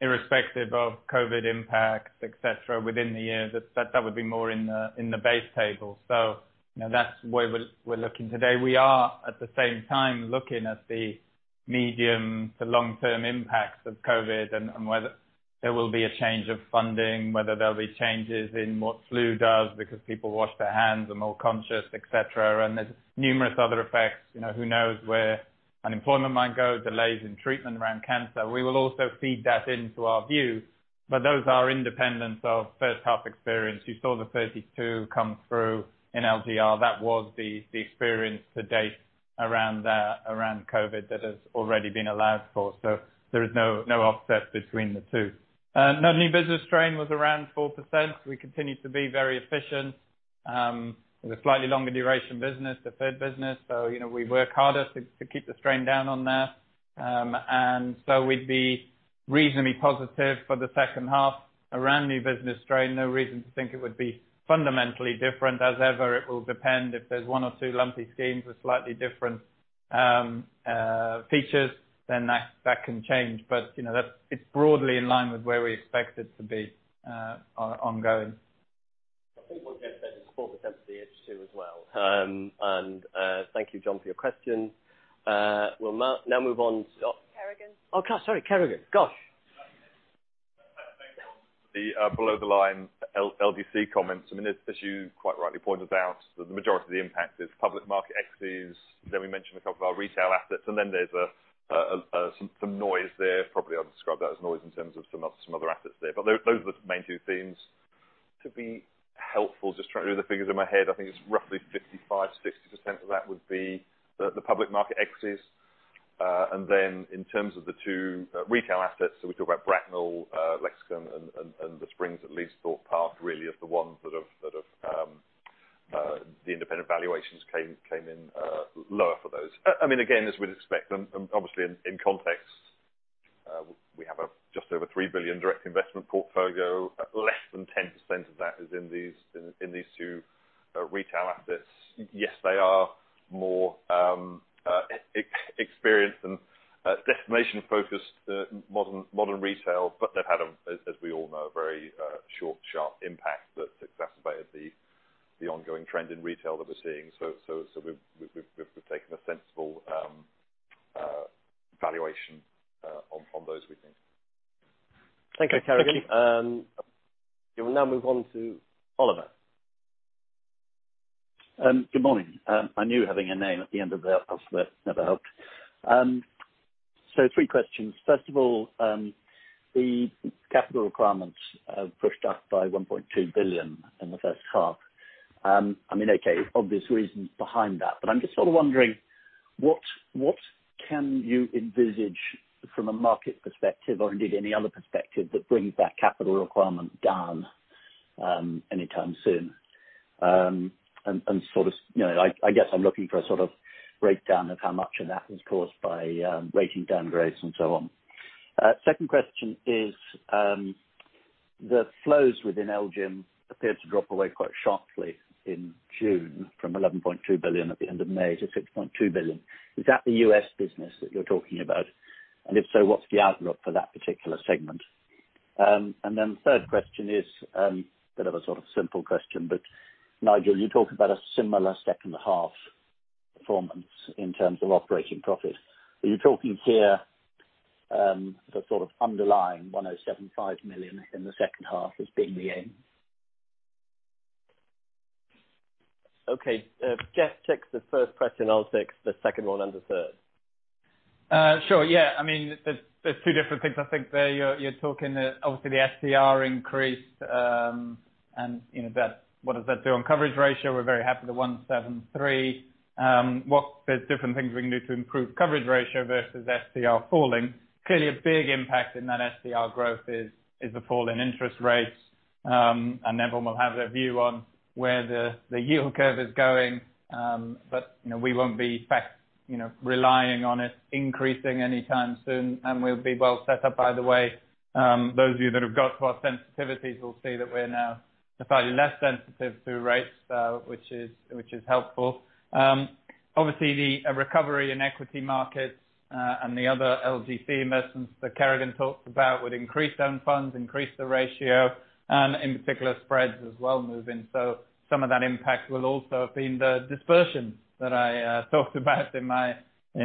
irrespective of COVID impacts, etc., within the year. That would be more in the base table. That's where we're looking today. We are, at the same time, looking at the medium to long-term impacts of COVID and whether there will be a change of funding, whether there'll be changes in what flu does because people wash their hands and are more conscious, etc. There are numerous other effects. Who knows where unemployment might go, delays in treatment around cancer. We will also feed that into our view, but those are independent of first-half experience. You saw the 32 million come through in LGR. That was the experience to date around COVID that has already been allowed for. There is no offset between the two. Now, new business strain was around 4%. We continue to be very efficient. It was a slightly longer-duration business, the third business. We work harder to keep the strain down on that. We would be reasonably positive for the second half around new business strain. No reason to think it would be fundamentally different as ever. It will depend. If there is one or two lumpy schemes with slightly different features, that can change. It is broadly in line with where we expect it to be ongoing. I think what Jeff said is 4% for the H2 as well. Thank you, John, for your question. We'll now move on to Kerrigan. Oh, sorry, Kerrigan. Gosh. Thanks, John. The below-the-line LGC comments, I mean, as you quite rightly pointed out, the majority of the impact is public market equities. We mentioned a couple of our retail assets, and there is some noise there. Probably I'll describe that as noise in terms of some other assets there. Those are the main two themes. To be helpful, just trying to do the figures in my head, I think it's roughly 55%-60% of that would be the public market equities. In terms of the two retail assets, we talk about Bracknell, Lexicon, and the Springs at Leeds Thorpe Park really as the ones that have the independent valuations came in lower for those. I mean, again, as we'd expect, and obviously in context, we have a just over 3 billion direct investment portfolio. Less than 10% of that is in these two retail assets. Yes, they are more experienced and destination-focused modern retail, but they've had, as we all know, a very short, sharp impact that's exacerbated the ongoing trend in retail that we're seeing. We have taken a sensible valuation on those, we think. Thank you, Kerrigan. Thank you. We will now move on to Oliver. Good morning. I knew having a name at the end of the alphabet never helped. Three questions. First of all, the capital requirements pushed up by 1.2 billion in the first half. I mean, okay, obvious reasons behind that. I am just sort of wondering, what can you envisage from a market perspective or indeed any other perspective that brings that capital requirement down anytime soon? I guess I'm looking for a sort of breakdown of how much of that was caused by rating downgrades and so on. Second question is, the flows within LGIM appeared to drop away quite sharply in June from 11.2 billion at the end of May to 6.2 billion. Is that the U.S. business that you're talking about? If so, what's the outlook for that particular segment? The third question is a bit of a simple question, but Nigel, you talked about a similar second half performance in terms of operating profit. Are you talking here the underlying 107.5 million in the second half as being the aim? Okay. Jeff takes the first question. I'll take the second one and the third. Sure. I mean, there's two different things I think there. You're talking that, obviously, the STR increased and what does that do on coverage ratio? We're very happy with the 173. There's different things we can do to improve coverage ratio versus STR falling. Clearly, a big impact in that STR growth is the fall in interest rates. Everyone will have their view on where the yield curve is going. We won't be relying on it increasing anytime soon. We'll be well set up, by the way. Those of you that have got to our sensitivities will see that we're now slightly less sensitive to rates, which is helpful. Obviously, the recovery in equity markets and the other LGC investments that Kerrigan talked about would increase down funds, increase the ratio, and in particular, spreads as well move in. Some of that impact will also have been the dispersion that I talked about in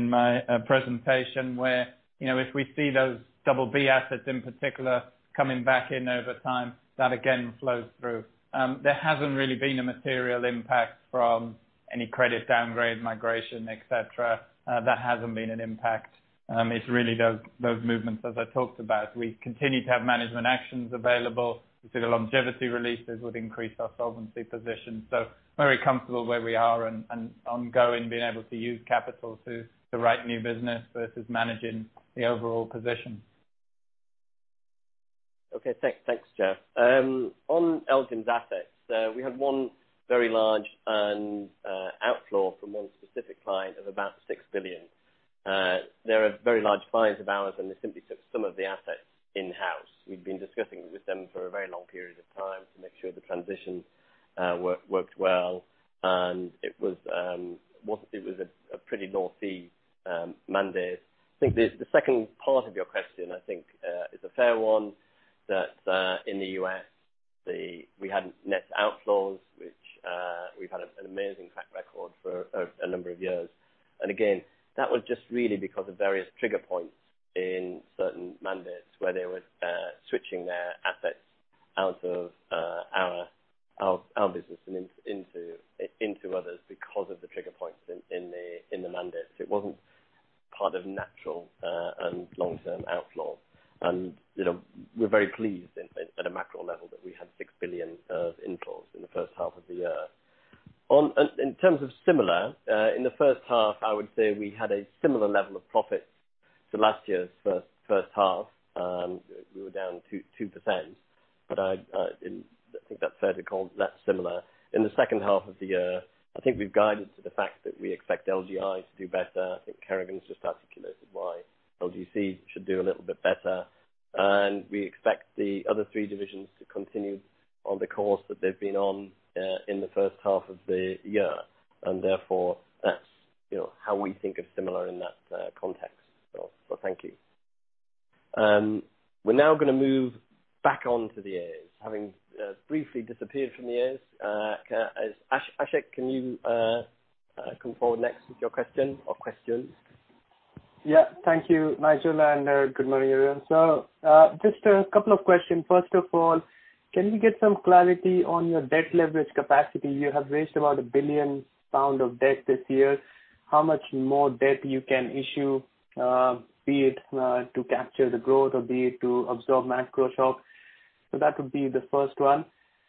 my presentation, where if we see those double B assets in particular coming back in over time, that again flows through. There has not really been a material impact from any credit downgrade, migration, etc. That has not been an impact. It is really those movements, as I talked about. We continue to have management actions available. We see the longevity releases would increase our solvency position. Very comfortable where we are and ongoing being able to use capital to write new business versus managing the overall position. Okay. Thanks, Jeff. On LGIM's assets, we had one very large outflow from one specific client of about 6 billion. They are very large clients of ours, and they simply took some of the assets in-house. We'd been discussing with them for a very long period of time to make sure the transition worked well. It was a pretty low-fee mandate. I think the second part of your question, I think, is a fair one that in the U.S., we had net outflows, which we've had an amazing track record for a number of years. That was just really because of various trigger points in certain mandates where they were switching their assets out of our business and into others because of the trigger points in the mandates. It wasn't part of natural and long-term outflows. We're very pleased at a macro level that we had 6 billion of inflows in the first half of the year. In terms of similar, in the first half, I would say we had a similar level of profit to last year's first half. We were down 2%. I think that's fairly similar. In the second half of the year, I think we've guided to the fact that we expect LGI to do better. I think Kerrigan's just articulated why LGC should do a little bit better. We expect the other three divisions to continue on the course that they've been on in the first half of the year. Therefore, that's how we think of similar in that context. Thank you. We're now going to move back on to the ears. Having briefly disappeared from the ears, Ashek, can you come forward next with your question or questions? Yeah. Thank you, Nigel, and good morning, everyone. Just a couple of questions. First of all, can we get some clarity on your debt leverage capacity? You have raised about 1 billion pound of debt this year. How much more debt you can issue, be it to capture the growth or be it to absorb macro shock? That would be the first one.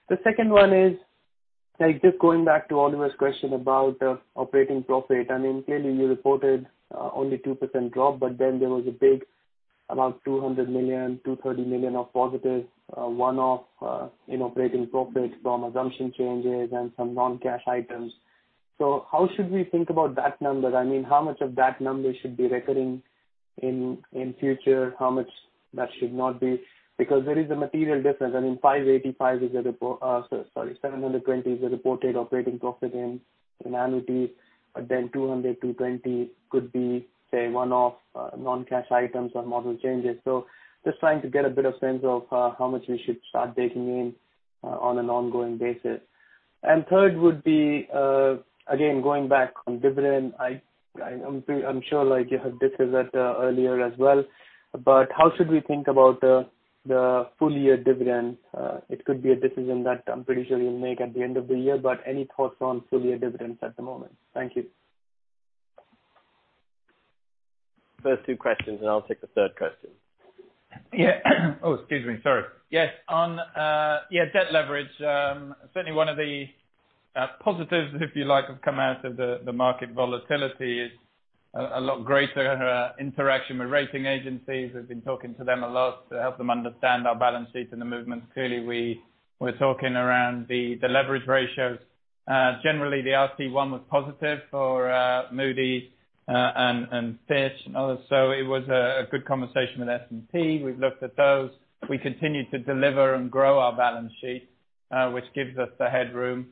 The second one is just going back to Oliver's question about the operating profit. I mean, clearly, you reported only 2% drop, but then there was a big about 200 million-230 million of positive one-off in operating profit from assumption changes and some non-cash items. How should we think about that number? I mean, how much of that number should be recurring in future? How much that should not be? Because there is a material difference. I mean, 585 is a—sorry, 720 is a reported operating profit in annuities, but then 200-220 could be, say, one-off non-cash items or model changes. Just trying to get a bit of sense of how much we should start taking in on an ongoing basis. Third would be, again, going back on dividend. I'm sure you had this earlier as well. How should we think about the full-year dividend? It could be a decision that I'm pretty sure you'll make at the end of the year. Any thoughts on full-year dividends at the moment? Thank you. First two questions, and I'll take the third question. Yeah. Oh, excuse me. Sorry. Yeah. On debt leverage, certainly one of the positives, if you like, have come out of the market volatility is a lot greater interaction with rating agencies. We've been talking to them a lot to help them understand our balance sheet and the movements. Clearly, we're talking around the leverage ratios. Generally, the RC1 was positive for Moody's and Fitch and others. It was a good conversation with S&P. We've looked at those. We continue to deliver and grow our balance sheet, which gives us the headroom.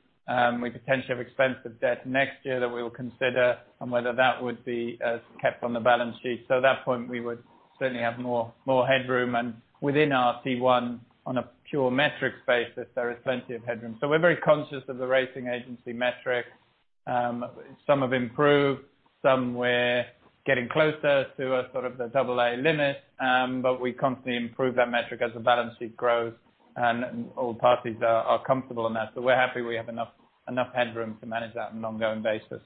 We potentially have expensive debt next year that we will consider and whether that would be kept on the balance sheet. At that point, we would certainly have more headroom. Within RC1, on a pure metrics basis, there is plenty of headroom. We are very conscious of the rating agency metric. Some have improved. Some were getting closer to sort of the AA limit. We constantly improve that metric as the balance sheet grows and all parties are comfortable on that. We are happy we have enough headroom to manage that on an ongoing basis.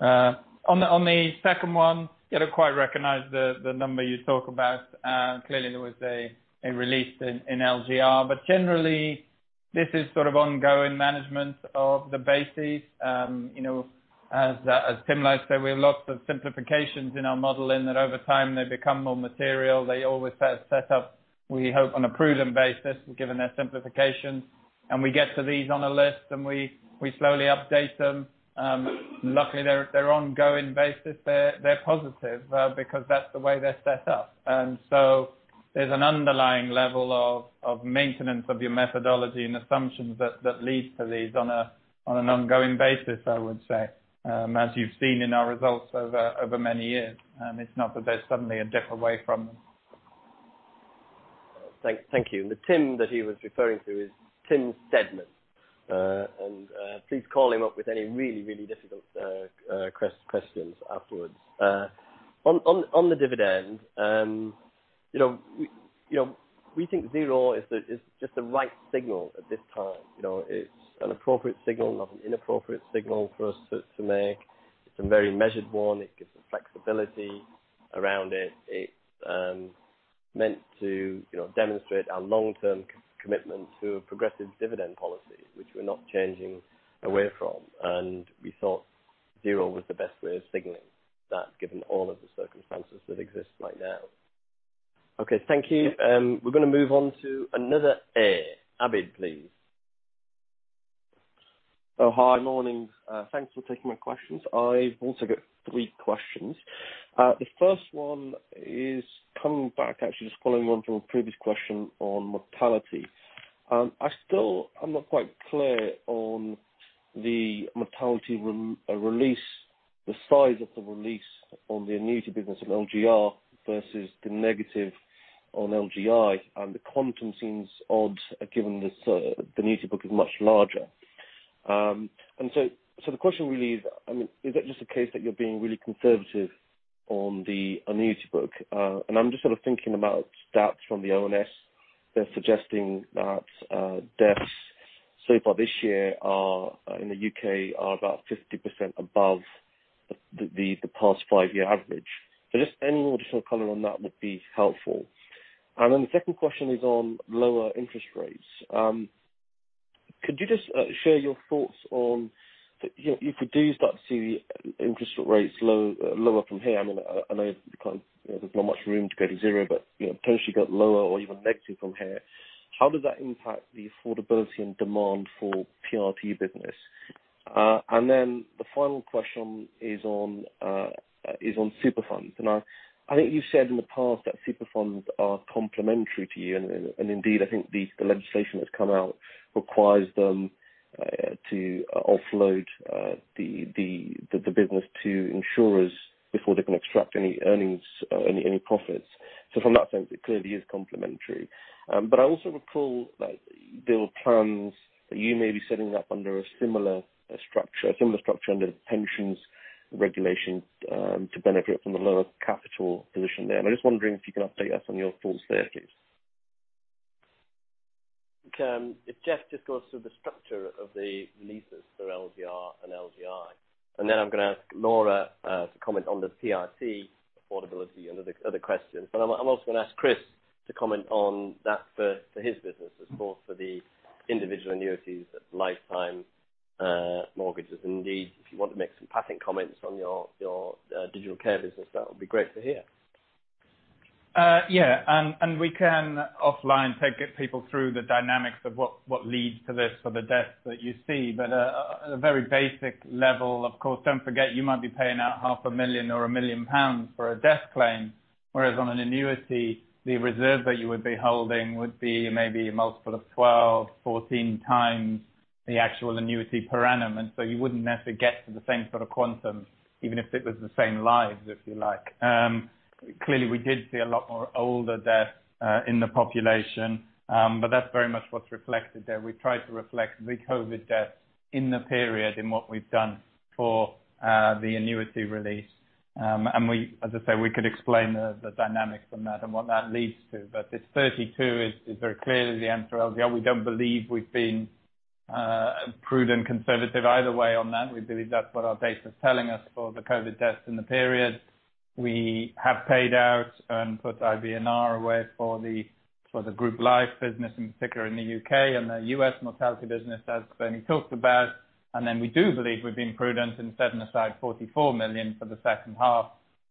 On the second one, I do not quite recognize the number you talk about. Clearly, there was a release in LGR. Generally, this is sort of ongoing management of the bases. As Tim Stedman said, we have lots of simplifications in our model in that over time they become more material. They always set up, we hope, on a prudent basis given their simplifications. We get to these on a list, and we slowly update them. Luckily, they are ongoing basis. They are positive because that is the way they are set up. There is an underlying level of maintenance of your methodology and assumptions that leads to these on an ongoing basis, I would say, as you have seen in our results over many years. It is not that they are suddenly a different way from them. Thank you. The Tim that he was referring to is Tim Stedman. Please call him up with any really, really difficult questions afterwards. On the dividend, we think zero is just the right signal at this time. It's an appropriate signal, not an inappropriate signal for us to make. It's a very measured one. It gives us flexibility around it. It's meant to demonstrate our long-term commitment to a progressive dividend policy, which we're not changing away from. We thought zero was the best way of signaling that given all of the circumstances that exist right now. Okay. Thank you. We're going to move on to another A. Abid, please. Hi, morning. Thanks for taking my questions. I've also got three questions. The first one is coming back, actually, just following on from a previous question on mortality. I'm not quite clear on the mortality release, the size of the release on the annuity business of LGR versus the negative on LGI. The quantum seems odd given that the annuity book is much larger. The question really is, I mean, is it just the case that you're being really conservative on the annuity book? I'm just sort of thinking about stats from the ONS. They're suggesting that deaths so far this year in the U.K. are about 50% above the past five-year average. Just any additional color on that would be helpful. The second question is on lower interest rates. Could you just share your thoughts on if we do start to see the interest rates lower from here? I mean, I know there's not much room to go to zero, but potentially go lower or even negative from here. How does that impact the affordability and demand for PRT business? The final question is on superfunds. I think you've said in the past that superfunds are complementary to you. Indeed, I think the legislation that's come out requires them to offload the business to insurers before they can extract any earnings, any profits. From that sense, it clearly is complementary. I also recall that there were plans that you may be setting up under a similar structure, a similar structure under the pensions regulation to benefit from the lower capital position there. I'm just wondering if you can update us on your thoughts there, please. Okay. If Jeff just goes through the structure of the releases for LGR and LGI. I'm going to ask Laura to comment on the PRT affordability and other questions. I'm also going to ask Chris to comment on that for his business as well for the individual annuities, lifetime mortgages. Indeed, if you want to make some passing comments on your digital care business, that would be great to hear. Yeah. We can offline get people through the dynamics of what leads to this for the deaths that you see. At a very basic level, of course, do not forget you might be paying out 500,000 or 1 million pounds for a death claim, whereas on an annuity, the reserve that you would be holding would be maybe a multiple of 12-14 times the actual annuity per annum. You would not necessarily get to the same sort of quantum, even if it was the same lives, if you like. Clearly, we did see a lot more older deaths in the population. That is very much what is reflected there. We've tried to reflect the COVID deaths in the period in what we've done for the annuity release. As I say, we could explain the dynamics from that and what that leads to. This 32 is very clearly the answer. LGR, we don't believe we've been prudent, conservative either way on that. We believe that's what our data is telling us for the COVID deaths in the period. We have paid out and put IBNR away for the group life business, in particular in the U.K., and the U.S. mortality business, as Bernie talked about. We do believe we've been prudent in setting aside 44 million for the second half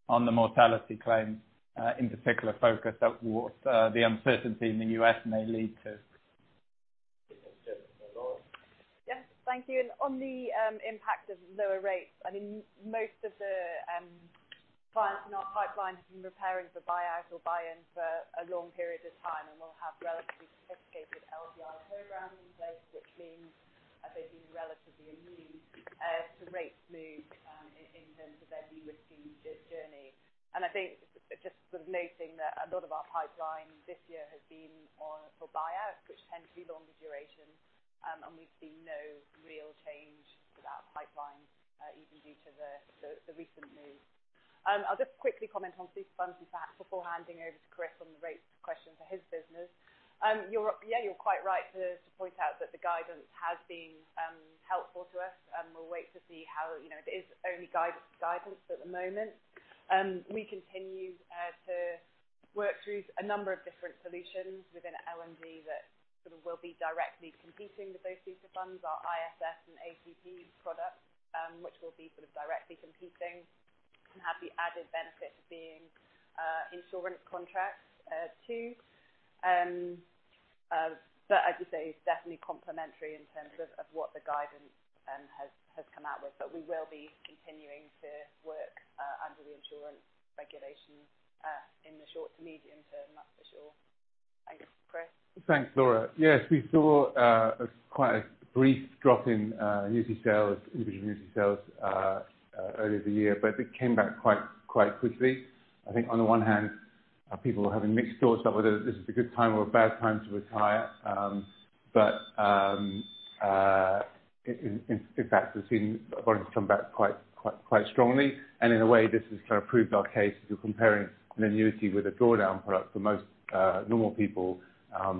on the mortality claims, in particular focus at what the uncertainty in the U.S. may lead to. Yes. Thank you. On the impact of lower rates, I mean, most of the clients in our pipeline have been preparing for buyout or buy-in for a long period of time. They will have relatively sophisticated LGI programs in place, which means they've been relatively immune as the rates move in terms of their new risky journey. I think just sort of noting that a lot of our pipeline this year has been for buyouts, which tend to be longer duration. We've seen no real change to that pipeline, even due to the recent move. I'll just quickly comment on superfunds before handing over to Chris on the rates question for his business. You're quite right to point out that the guidance has been helpful to us. We'll wait to see how it is only guidance at the moment. We continue to work through a number of different solutions within L&G that sort of will be directly competing with those superfunds, our ISS and ACP products, which will be sort of directly competing and have the added benefit of being insurance contracts too. As you say, it is definitely complementary in terms of what the guidance has come out with. We will be continuing to work under the insurance regulations in the short to medium term, that's for sure. Thanks, Chris. Thanks, Laura. Yes, we saw quite a brief drop in annuity sales, individual annuity sales earlier this year, but it came back quite quickly. I think on the one hand, people were having mixed thoughts about whether this is a good time or a bad time to retire. In fact, we've seen volumes come back quite strongly. In a way, this has kind of proved our case if you're comparing an annuity with a drawdown product for most normal people,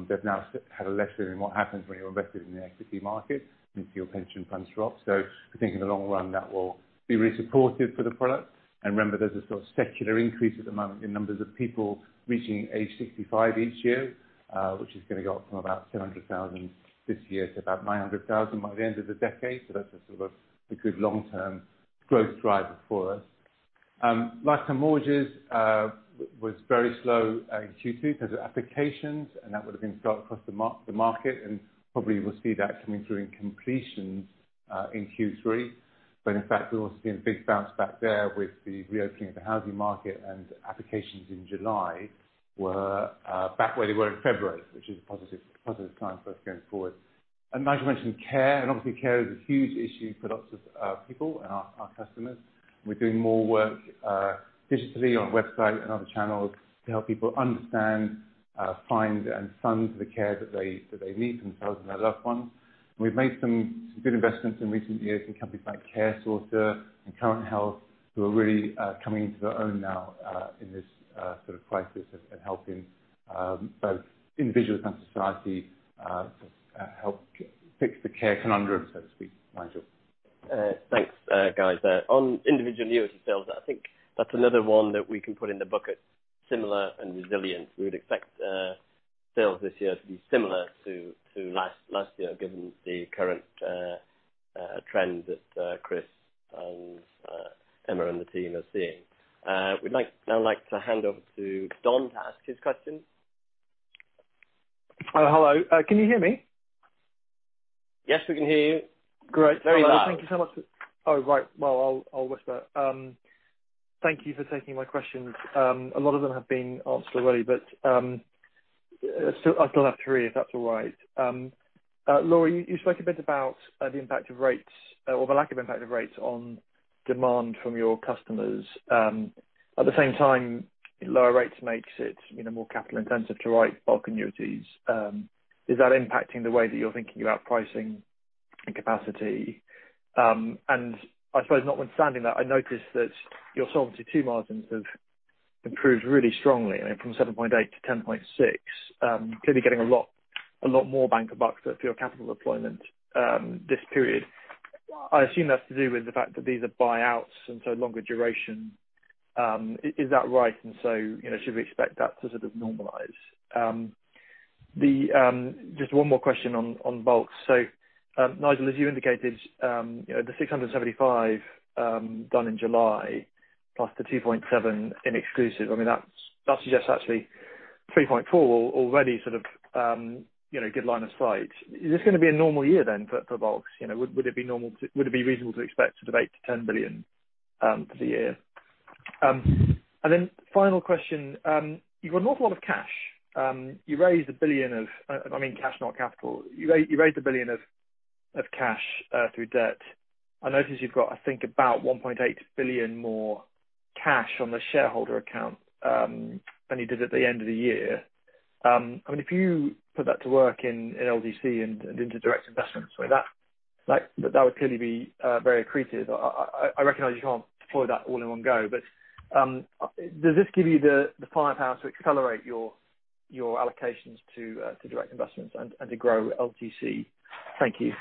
they've now had a lesson in what happens when you're invested in the equity market and your pension funds drop. I think in the long run, that will be really supportive for the product. Remember, there's a sort of secular increase at the moment in numbers of people reaching age 65 each year, which is going to go up from about 700,000 this year to about 900,000 by the end of the decade. That's sort of a good long-term growth driver for us. Lifetime mortgages was very slow in Q2 in terms of applications, and that would have been throughout across the market. Probably we'll see that coming through in completions in Q3. In fact, we've also seen a big bounce back there with the reopening of the housing market, and applications in July were back where they were in February, which is a positive sign for us going forward. As you mentioned, care. Obviously, care is a huge issue for lots of people and our customers. We're doing more work digitally on a website and other channels to help people understand, find, and fund the care that they need for themselves and their loved ones. We've made some good investments in recent years in companies like CareSourcer and Current Health, who are really coming into their own now in this sort of crisis and helping both individuals and society help fix the care conundrum, so to speak. Thanks, guys. On individual annuity sales, I think that's another one that we can put in the bucket, similar and resilient. We would expect sales this year to be similar to last year, given the current trend that Chris and Emma and the team are seeing. We'd now like to hand over to Don to ask his question. Hello. Can you hear me? Yes, we can hear you. Great. Very well. Thank you so much. Oh, right. I'll whisper. Thank you for taking my questions. A lot of them have been answered already, but I still have three, if that's all right. Laura, you spoke a bit about the impact of rates or the lack of impact of rates on demand from your customers. At the same time, lower rates make it more capital-intensive to write bulk annuities. Is that impacting the way that you're thinking about pricing and capacity? I suppose notwithstanding that, I noticed that your Solvency II margins have improved really strongly, from 7.8 to 10.6, clearly getting a lot more bang for your buck for your capital deployment this period. I assume that's to do with the fact that these are buyouts and so longer duration. Is that right? Should we expect that to sort of normalize? Just one more question on bulks. Nigel, as you indicated, the 675 million done in July plus the 2.7 billion in exclusive, I mean, that suggests actually 3.4 billion already sort of good line of sight. Is this going to be a normal year then for bulks? Would it be reasonable to expect sort of 8 billion-10 billion for the year? Final question. You've got an awful lot of cash. You raised 1 billion of, I mean, cash, not capital. You raised $1 billion of cash through debt. I noticed you've got, I think, about 1.8 billion more cash on the shareholder account than you did at the end of the year. I mean, if you put that to work in LGC and into direct investments, that would clearly be very accretive. I recognize you can't deploy that all in one go, but does this give you the firepower to accelerate your allocations to direct investments and to grow LGC? Thank you.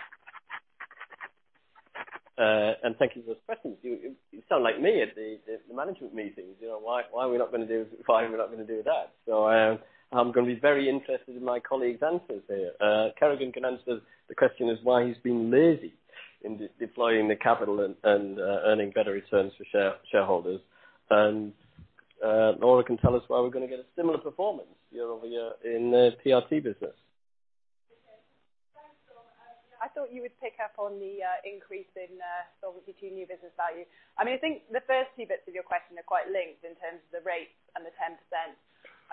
Thank you for those questions. You sound like me at the management meetings. Why are we not going to do it? Why are we not going to do that? I am going to be very interested in my colleague's answers here. Kerrigan can answer the question as to why he's been lazy in deploying the capital and earning better returns for shareholders. Laura can tell us why we're going to get a similar performance year-over-year in the PRT business. Okay. Thanks, Dom. I thought you would pick up on the increase in Solvency II new business value. I mean, I think the first two bits of your question are quite linked in terms of the rates and the 10%.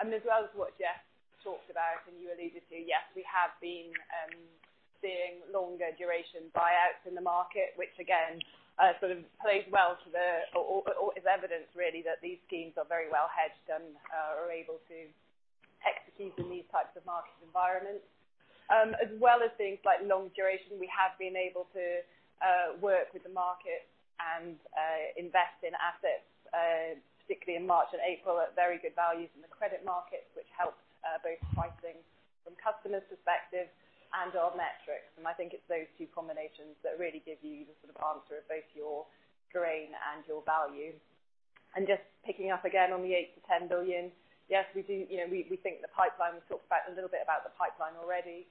I mean, as well as what Jeff talked about and you alluded to, yes, we have been seeing longer duration buyouts in the market, which again sort of plays well to the or is evidence really that these schemes are very well hedged and are able to execute in these types of market environments. As well as things like long duration, we have been able to work with the market and invest in assets, particularly in March and April, at very good values in the credit markets, which helped both pricing from customer's perspective and our metrics. I think it is those two combinations that really give you the sort of answer of both your grain and your value. Just picking up again on the 8 billion-10 billion, yes, we do. We think the pipeline, we have talked a little bit about the pipeline already.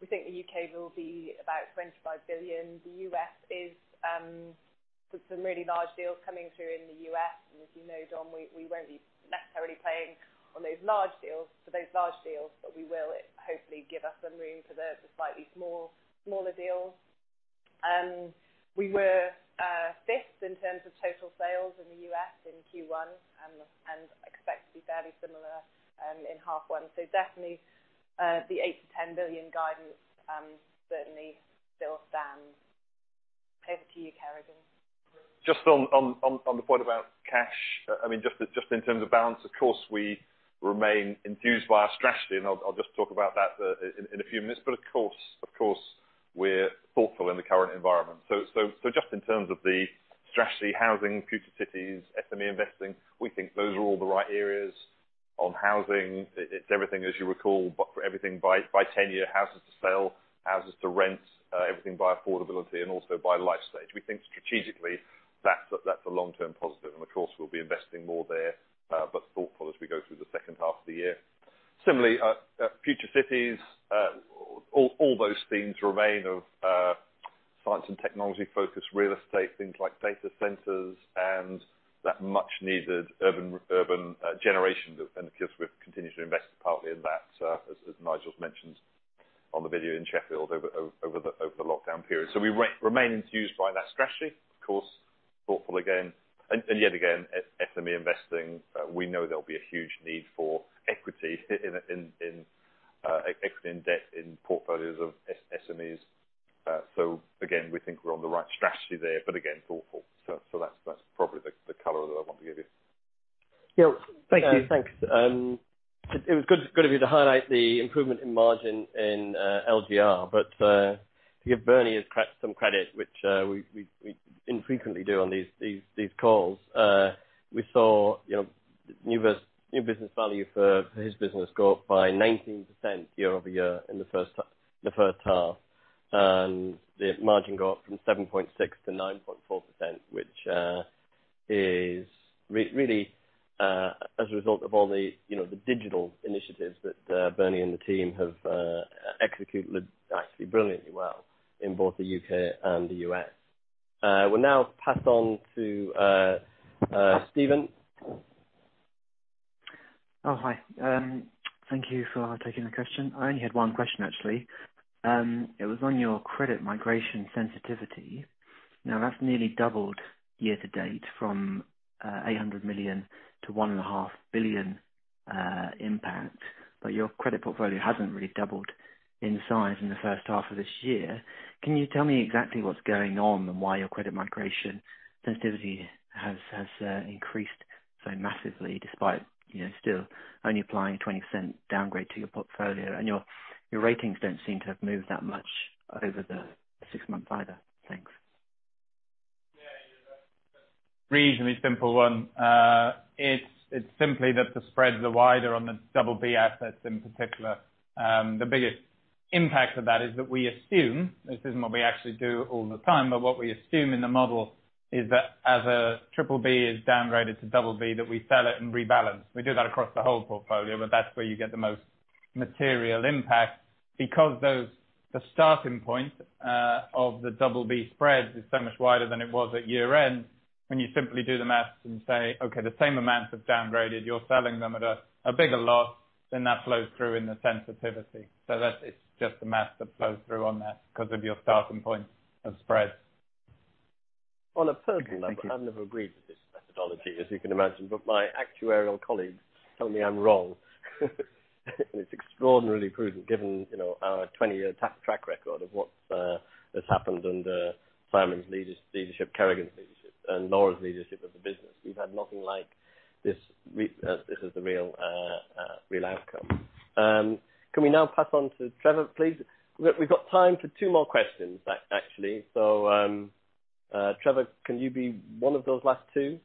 We think the U.K. will be about 25 billion. The U.S. is some really large deals coming through in the U.S. As you know, Dom, we will not be necessarily playing on those large deals for those large deals, but we will hopefully give us some room for the slightly smaller deals. We were fifth in terms of total sales in the US in Q1 and expect to be fairly similar in half one. Definitely the 8 billion-10 billion guidance certainly still stands. Over to you, Kerrigan. Just on the point about cash, I mean, just in terms of balance, of course, we remain enthused by our strategy. I'll just talk about that in a few minutes. Of course, we're thoughtful in the current environment. Just in terms of the strategy, housing, future cities, SME investing, we think those are all the right areas. On housing, it's everything, as you recall, but everything by tenure, houses to sell, houses to rent, everything by affordability and also by life stage. We think strategically that's a long-term positive. Of course, we'll be investing more there, but thoughtful as we go through the second half of the year. Similarly, future cities, all those themes remain of science and technology focus, real estate, things like data centers, and that much-needed urban generation. Of course, we have continued to invest partly in that, as Nigel's mentioned on the video in Sheffield over the lockdown period. We remain enthused by that strategy. Of course, thoughtful again. Yet again, SME investing, we know there will be a huge need for equity and debt in portfolios of SMEs. Again, we think we are on the right strategy there, but again, thoughtful. That is probably the color that I want to give you. Thank you. Thanks. It was good of you to highlight the improvement in margin in LGR. To give Bernie some credit, which we infrequently do on these calls, we saw new business value for his business go up by 19% year-over-year in the first half. The margin got from 7.6% to 9.4%, which is really as a result of all the digital initiatives that Bernie and the team have executed actually brilliantly well in both the U.K. and the U.S. We'll now pass on to Steven. Oh, hi. Thank you for taking the question. I only had one question, actually. It was on your credit migration sensitivity. Now, that's nearly doubled year to date from 800 million to 1.5 billion impact. Your credit portfolio hasn't really doubled in size in the first half of this year. Can you tell me exactly what's going on and why your credit migration sensitivity has increased so massively despite still only applying a 20% downgrade to your portfolio? Your ratings don't seem to have moved that much over the six months either. Thanks. Reasonably simple one. It's simply that the spreads are wider on the double B assets in particular. The biggest impact of that is that we assume this is not what we actually do all the time, but what we assume in the model is that as a triple B is downgraded to double B, that we sell it and rebalance. We do that across the whole portfolio, but that is where you get the most material impact. Because the starting point of the double B spreads is so much wider than it was at year-end, when you simply do the math and say, "Okay, the same amount of downgraded, you're selling them at a bigger loss," that flows through in the sensitivity. It is just the math that flows through on that because of your starting point of spreads. On a personal level, I've never agreed with this methodology, as you can imagine. But my actuarial colleagues tell me I'm wrong. And it's extraordinarily prudent given our 20-year track record of what has happened under Simon's leadership, Kerrigan's leadership, and Laura's leadership of the business. We've had nothing like this. This is the real outcome. Can we now pass on to Trevor, please? We've got time for two more questions, actually. So Trevor, can you be one of those last two?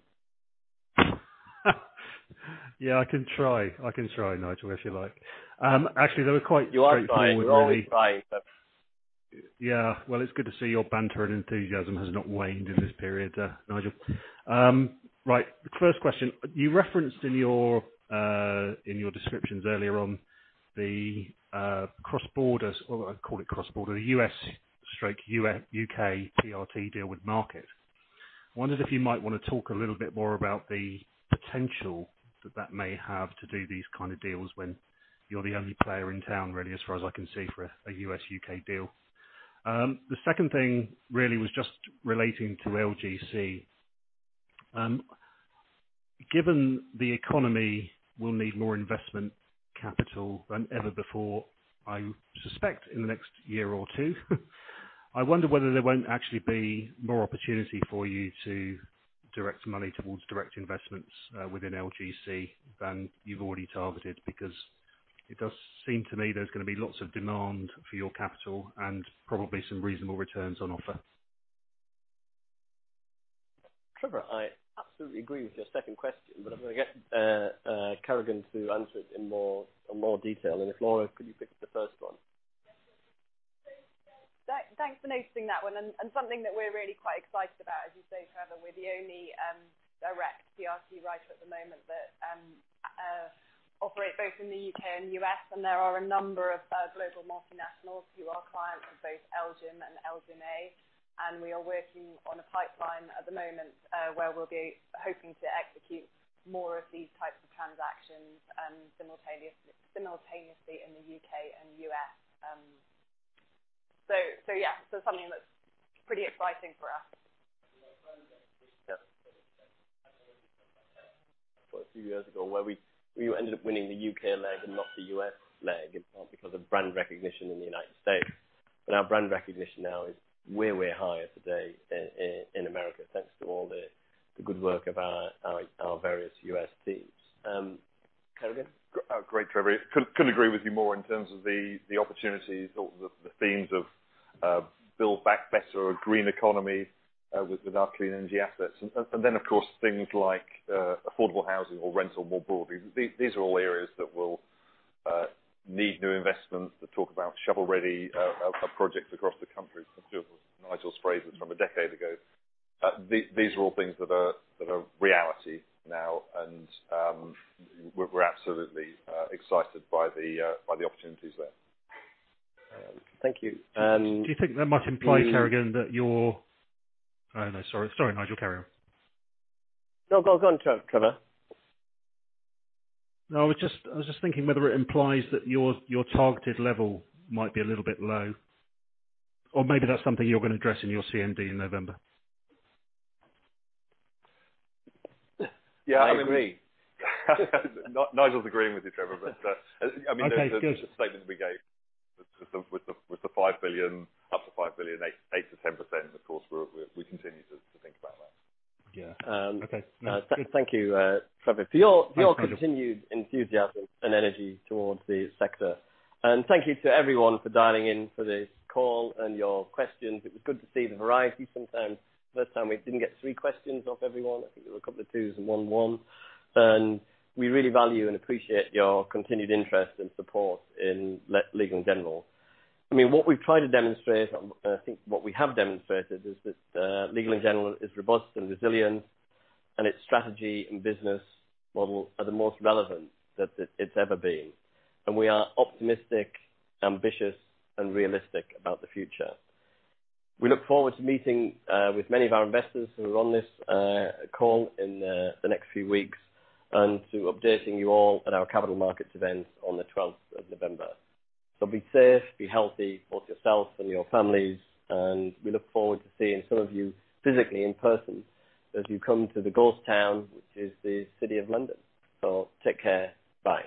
Yeah, I can try. I can try, Nigel, if you like. Actually, they were quite straightforward, really. You are trying, really. Yeah. It's good to see your banter and enthusiasm has not waned in this period, Nigel. Right. First question. You referenced in your descriptions earlier on the cross-border—well, I call it cross-border—the U.S./U.K. PRT deal with market. I wondered if you might want to talk a little bit more about the potential that that may have to do these kind of deals when you're the only player in town, really, as far as I can see for a U.S./U.K. deal. The second thing really was just relating to LGC. Given the economy, we'll need more investment capital than ever before, I suspect, in the next year or two. I wonder whether there won't actually be more opportunity for you to direct money towards direct investments within LGC than you've already targeted because it does seem to me there's going to be lots of demand for your capital and probably some reasonable returns on offer. Trevor, I absolutely agree with your second question, but I'm going to get Kerrigan to answer it in more detail. If Laura, could you pick the first one? Thanks for noticing that one. Something that we're really quite excited about, as you say, Trevor, we're the only direct PRT writer at the moment that operate both in the U.K. and U.S. There are a number of global multinationals who are clients of both LGIM and LGIMA. We are working on a pipeline at the moment where we'll be hoping to execute more of these types of transactions simultaneously in the U.K. and U.S. Yeah, something that's pretty exciting for us. A few years ago we ended up winning the U.K. leg and not the U.S. leg, in part because of brand recognition in the United States. Our brand recognition now is way, way higher today in America thanks to all the good work of our various U.S. teams. Kerrigan? Great, Trevor. I couldn't agree with you more in terms of the opportunities, the themes of build back better, a green economy with our clean energy assets. Of course, things like affordable housing or rental more broadly. These are all areas that will need new investments. They talk about shovel-ready projects across the country. Nigel's phrase was from a decade ago. These are all things that are reality now. We're absolutely excited by the opportunities there. Thank you. Do you think that might imply, Kerrigan, that your—I don't know. Sorry, Nigel. Carry on. No, go on, Trevor. No, I was just thinking whether it implies that your targeted level might be a little bit low. Or maybe that's something you're going to address in your CMD in November. Yeah, I agree. Nigel's agreeing with you, Trevor. I mean, those are the statements we gave with the 5 billion, up to 5 billion, 8%-10%. Of course, we continue to think about that. Yeah. Okay. Thank you, Trevor, for your continued enthusiasm and energy towards the sector. Thank you to everyone for dialing in for this call and your questions. It was good to see the variety sometimes. The first time, we did not get three questions off everyone. I think there were a couple of twos and one one. We really value and appreciate your continued interest and support in Legal & General. I mean, what we have tried to demonstrate, and I think what we have demonstrated, is that Legal & General is robust and resilient, and its strategy and business model are the most relevant that it has ever been. We are optimistic, ambitious, and realistic about the future. We look forward to meeting with many of our investors who are on this call in the next few weeks and to updating you all at our capital markets event on the 12th of November. Be safe, be healthy, both yourself and your families. We look forward to seeing some of you physically in person as you come to the City of London. Take care. Bye.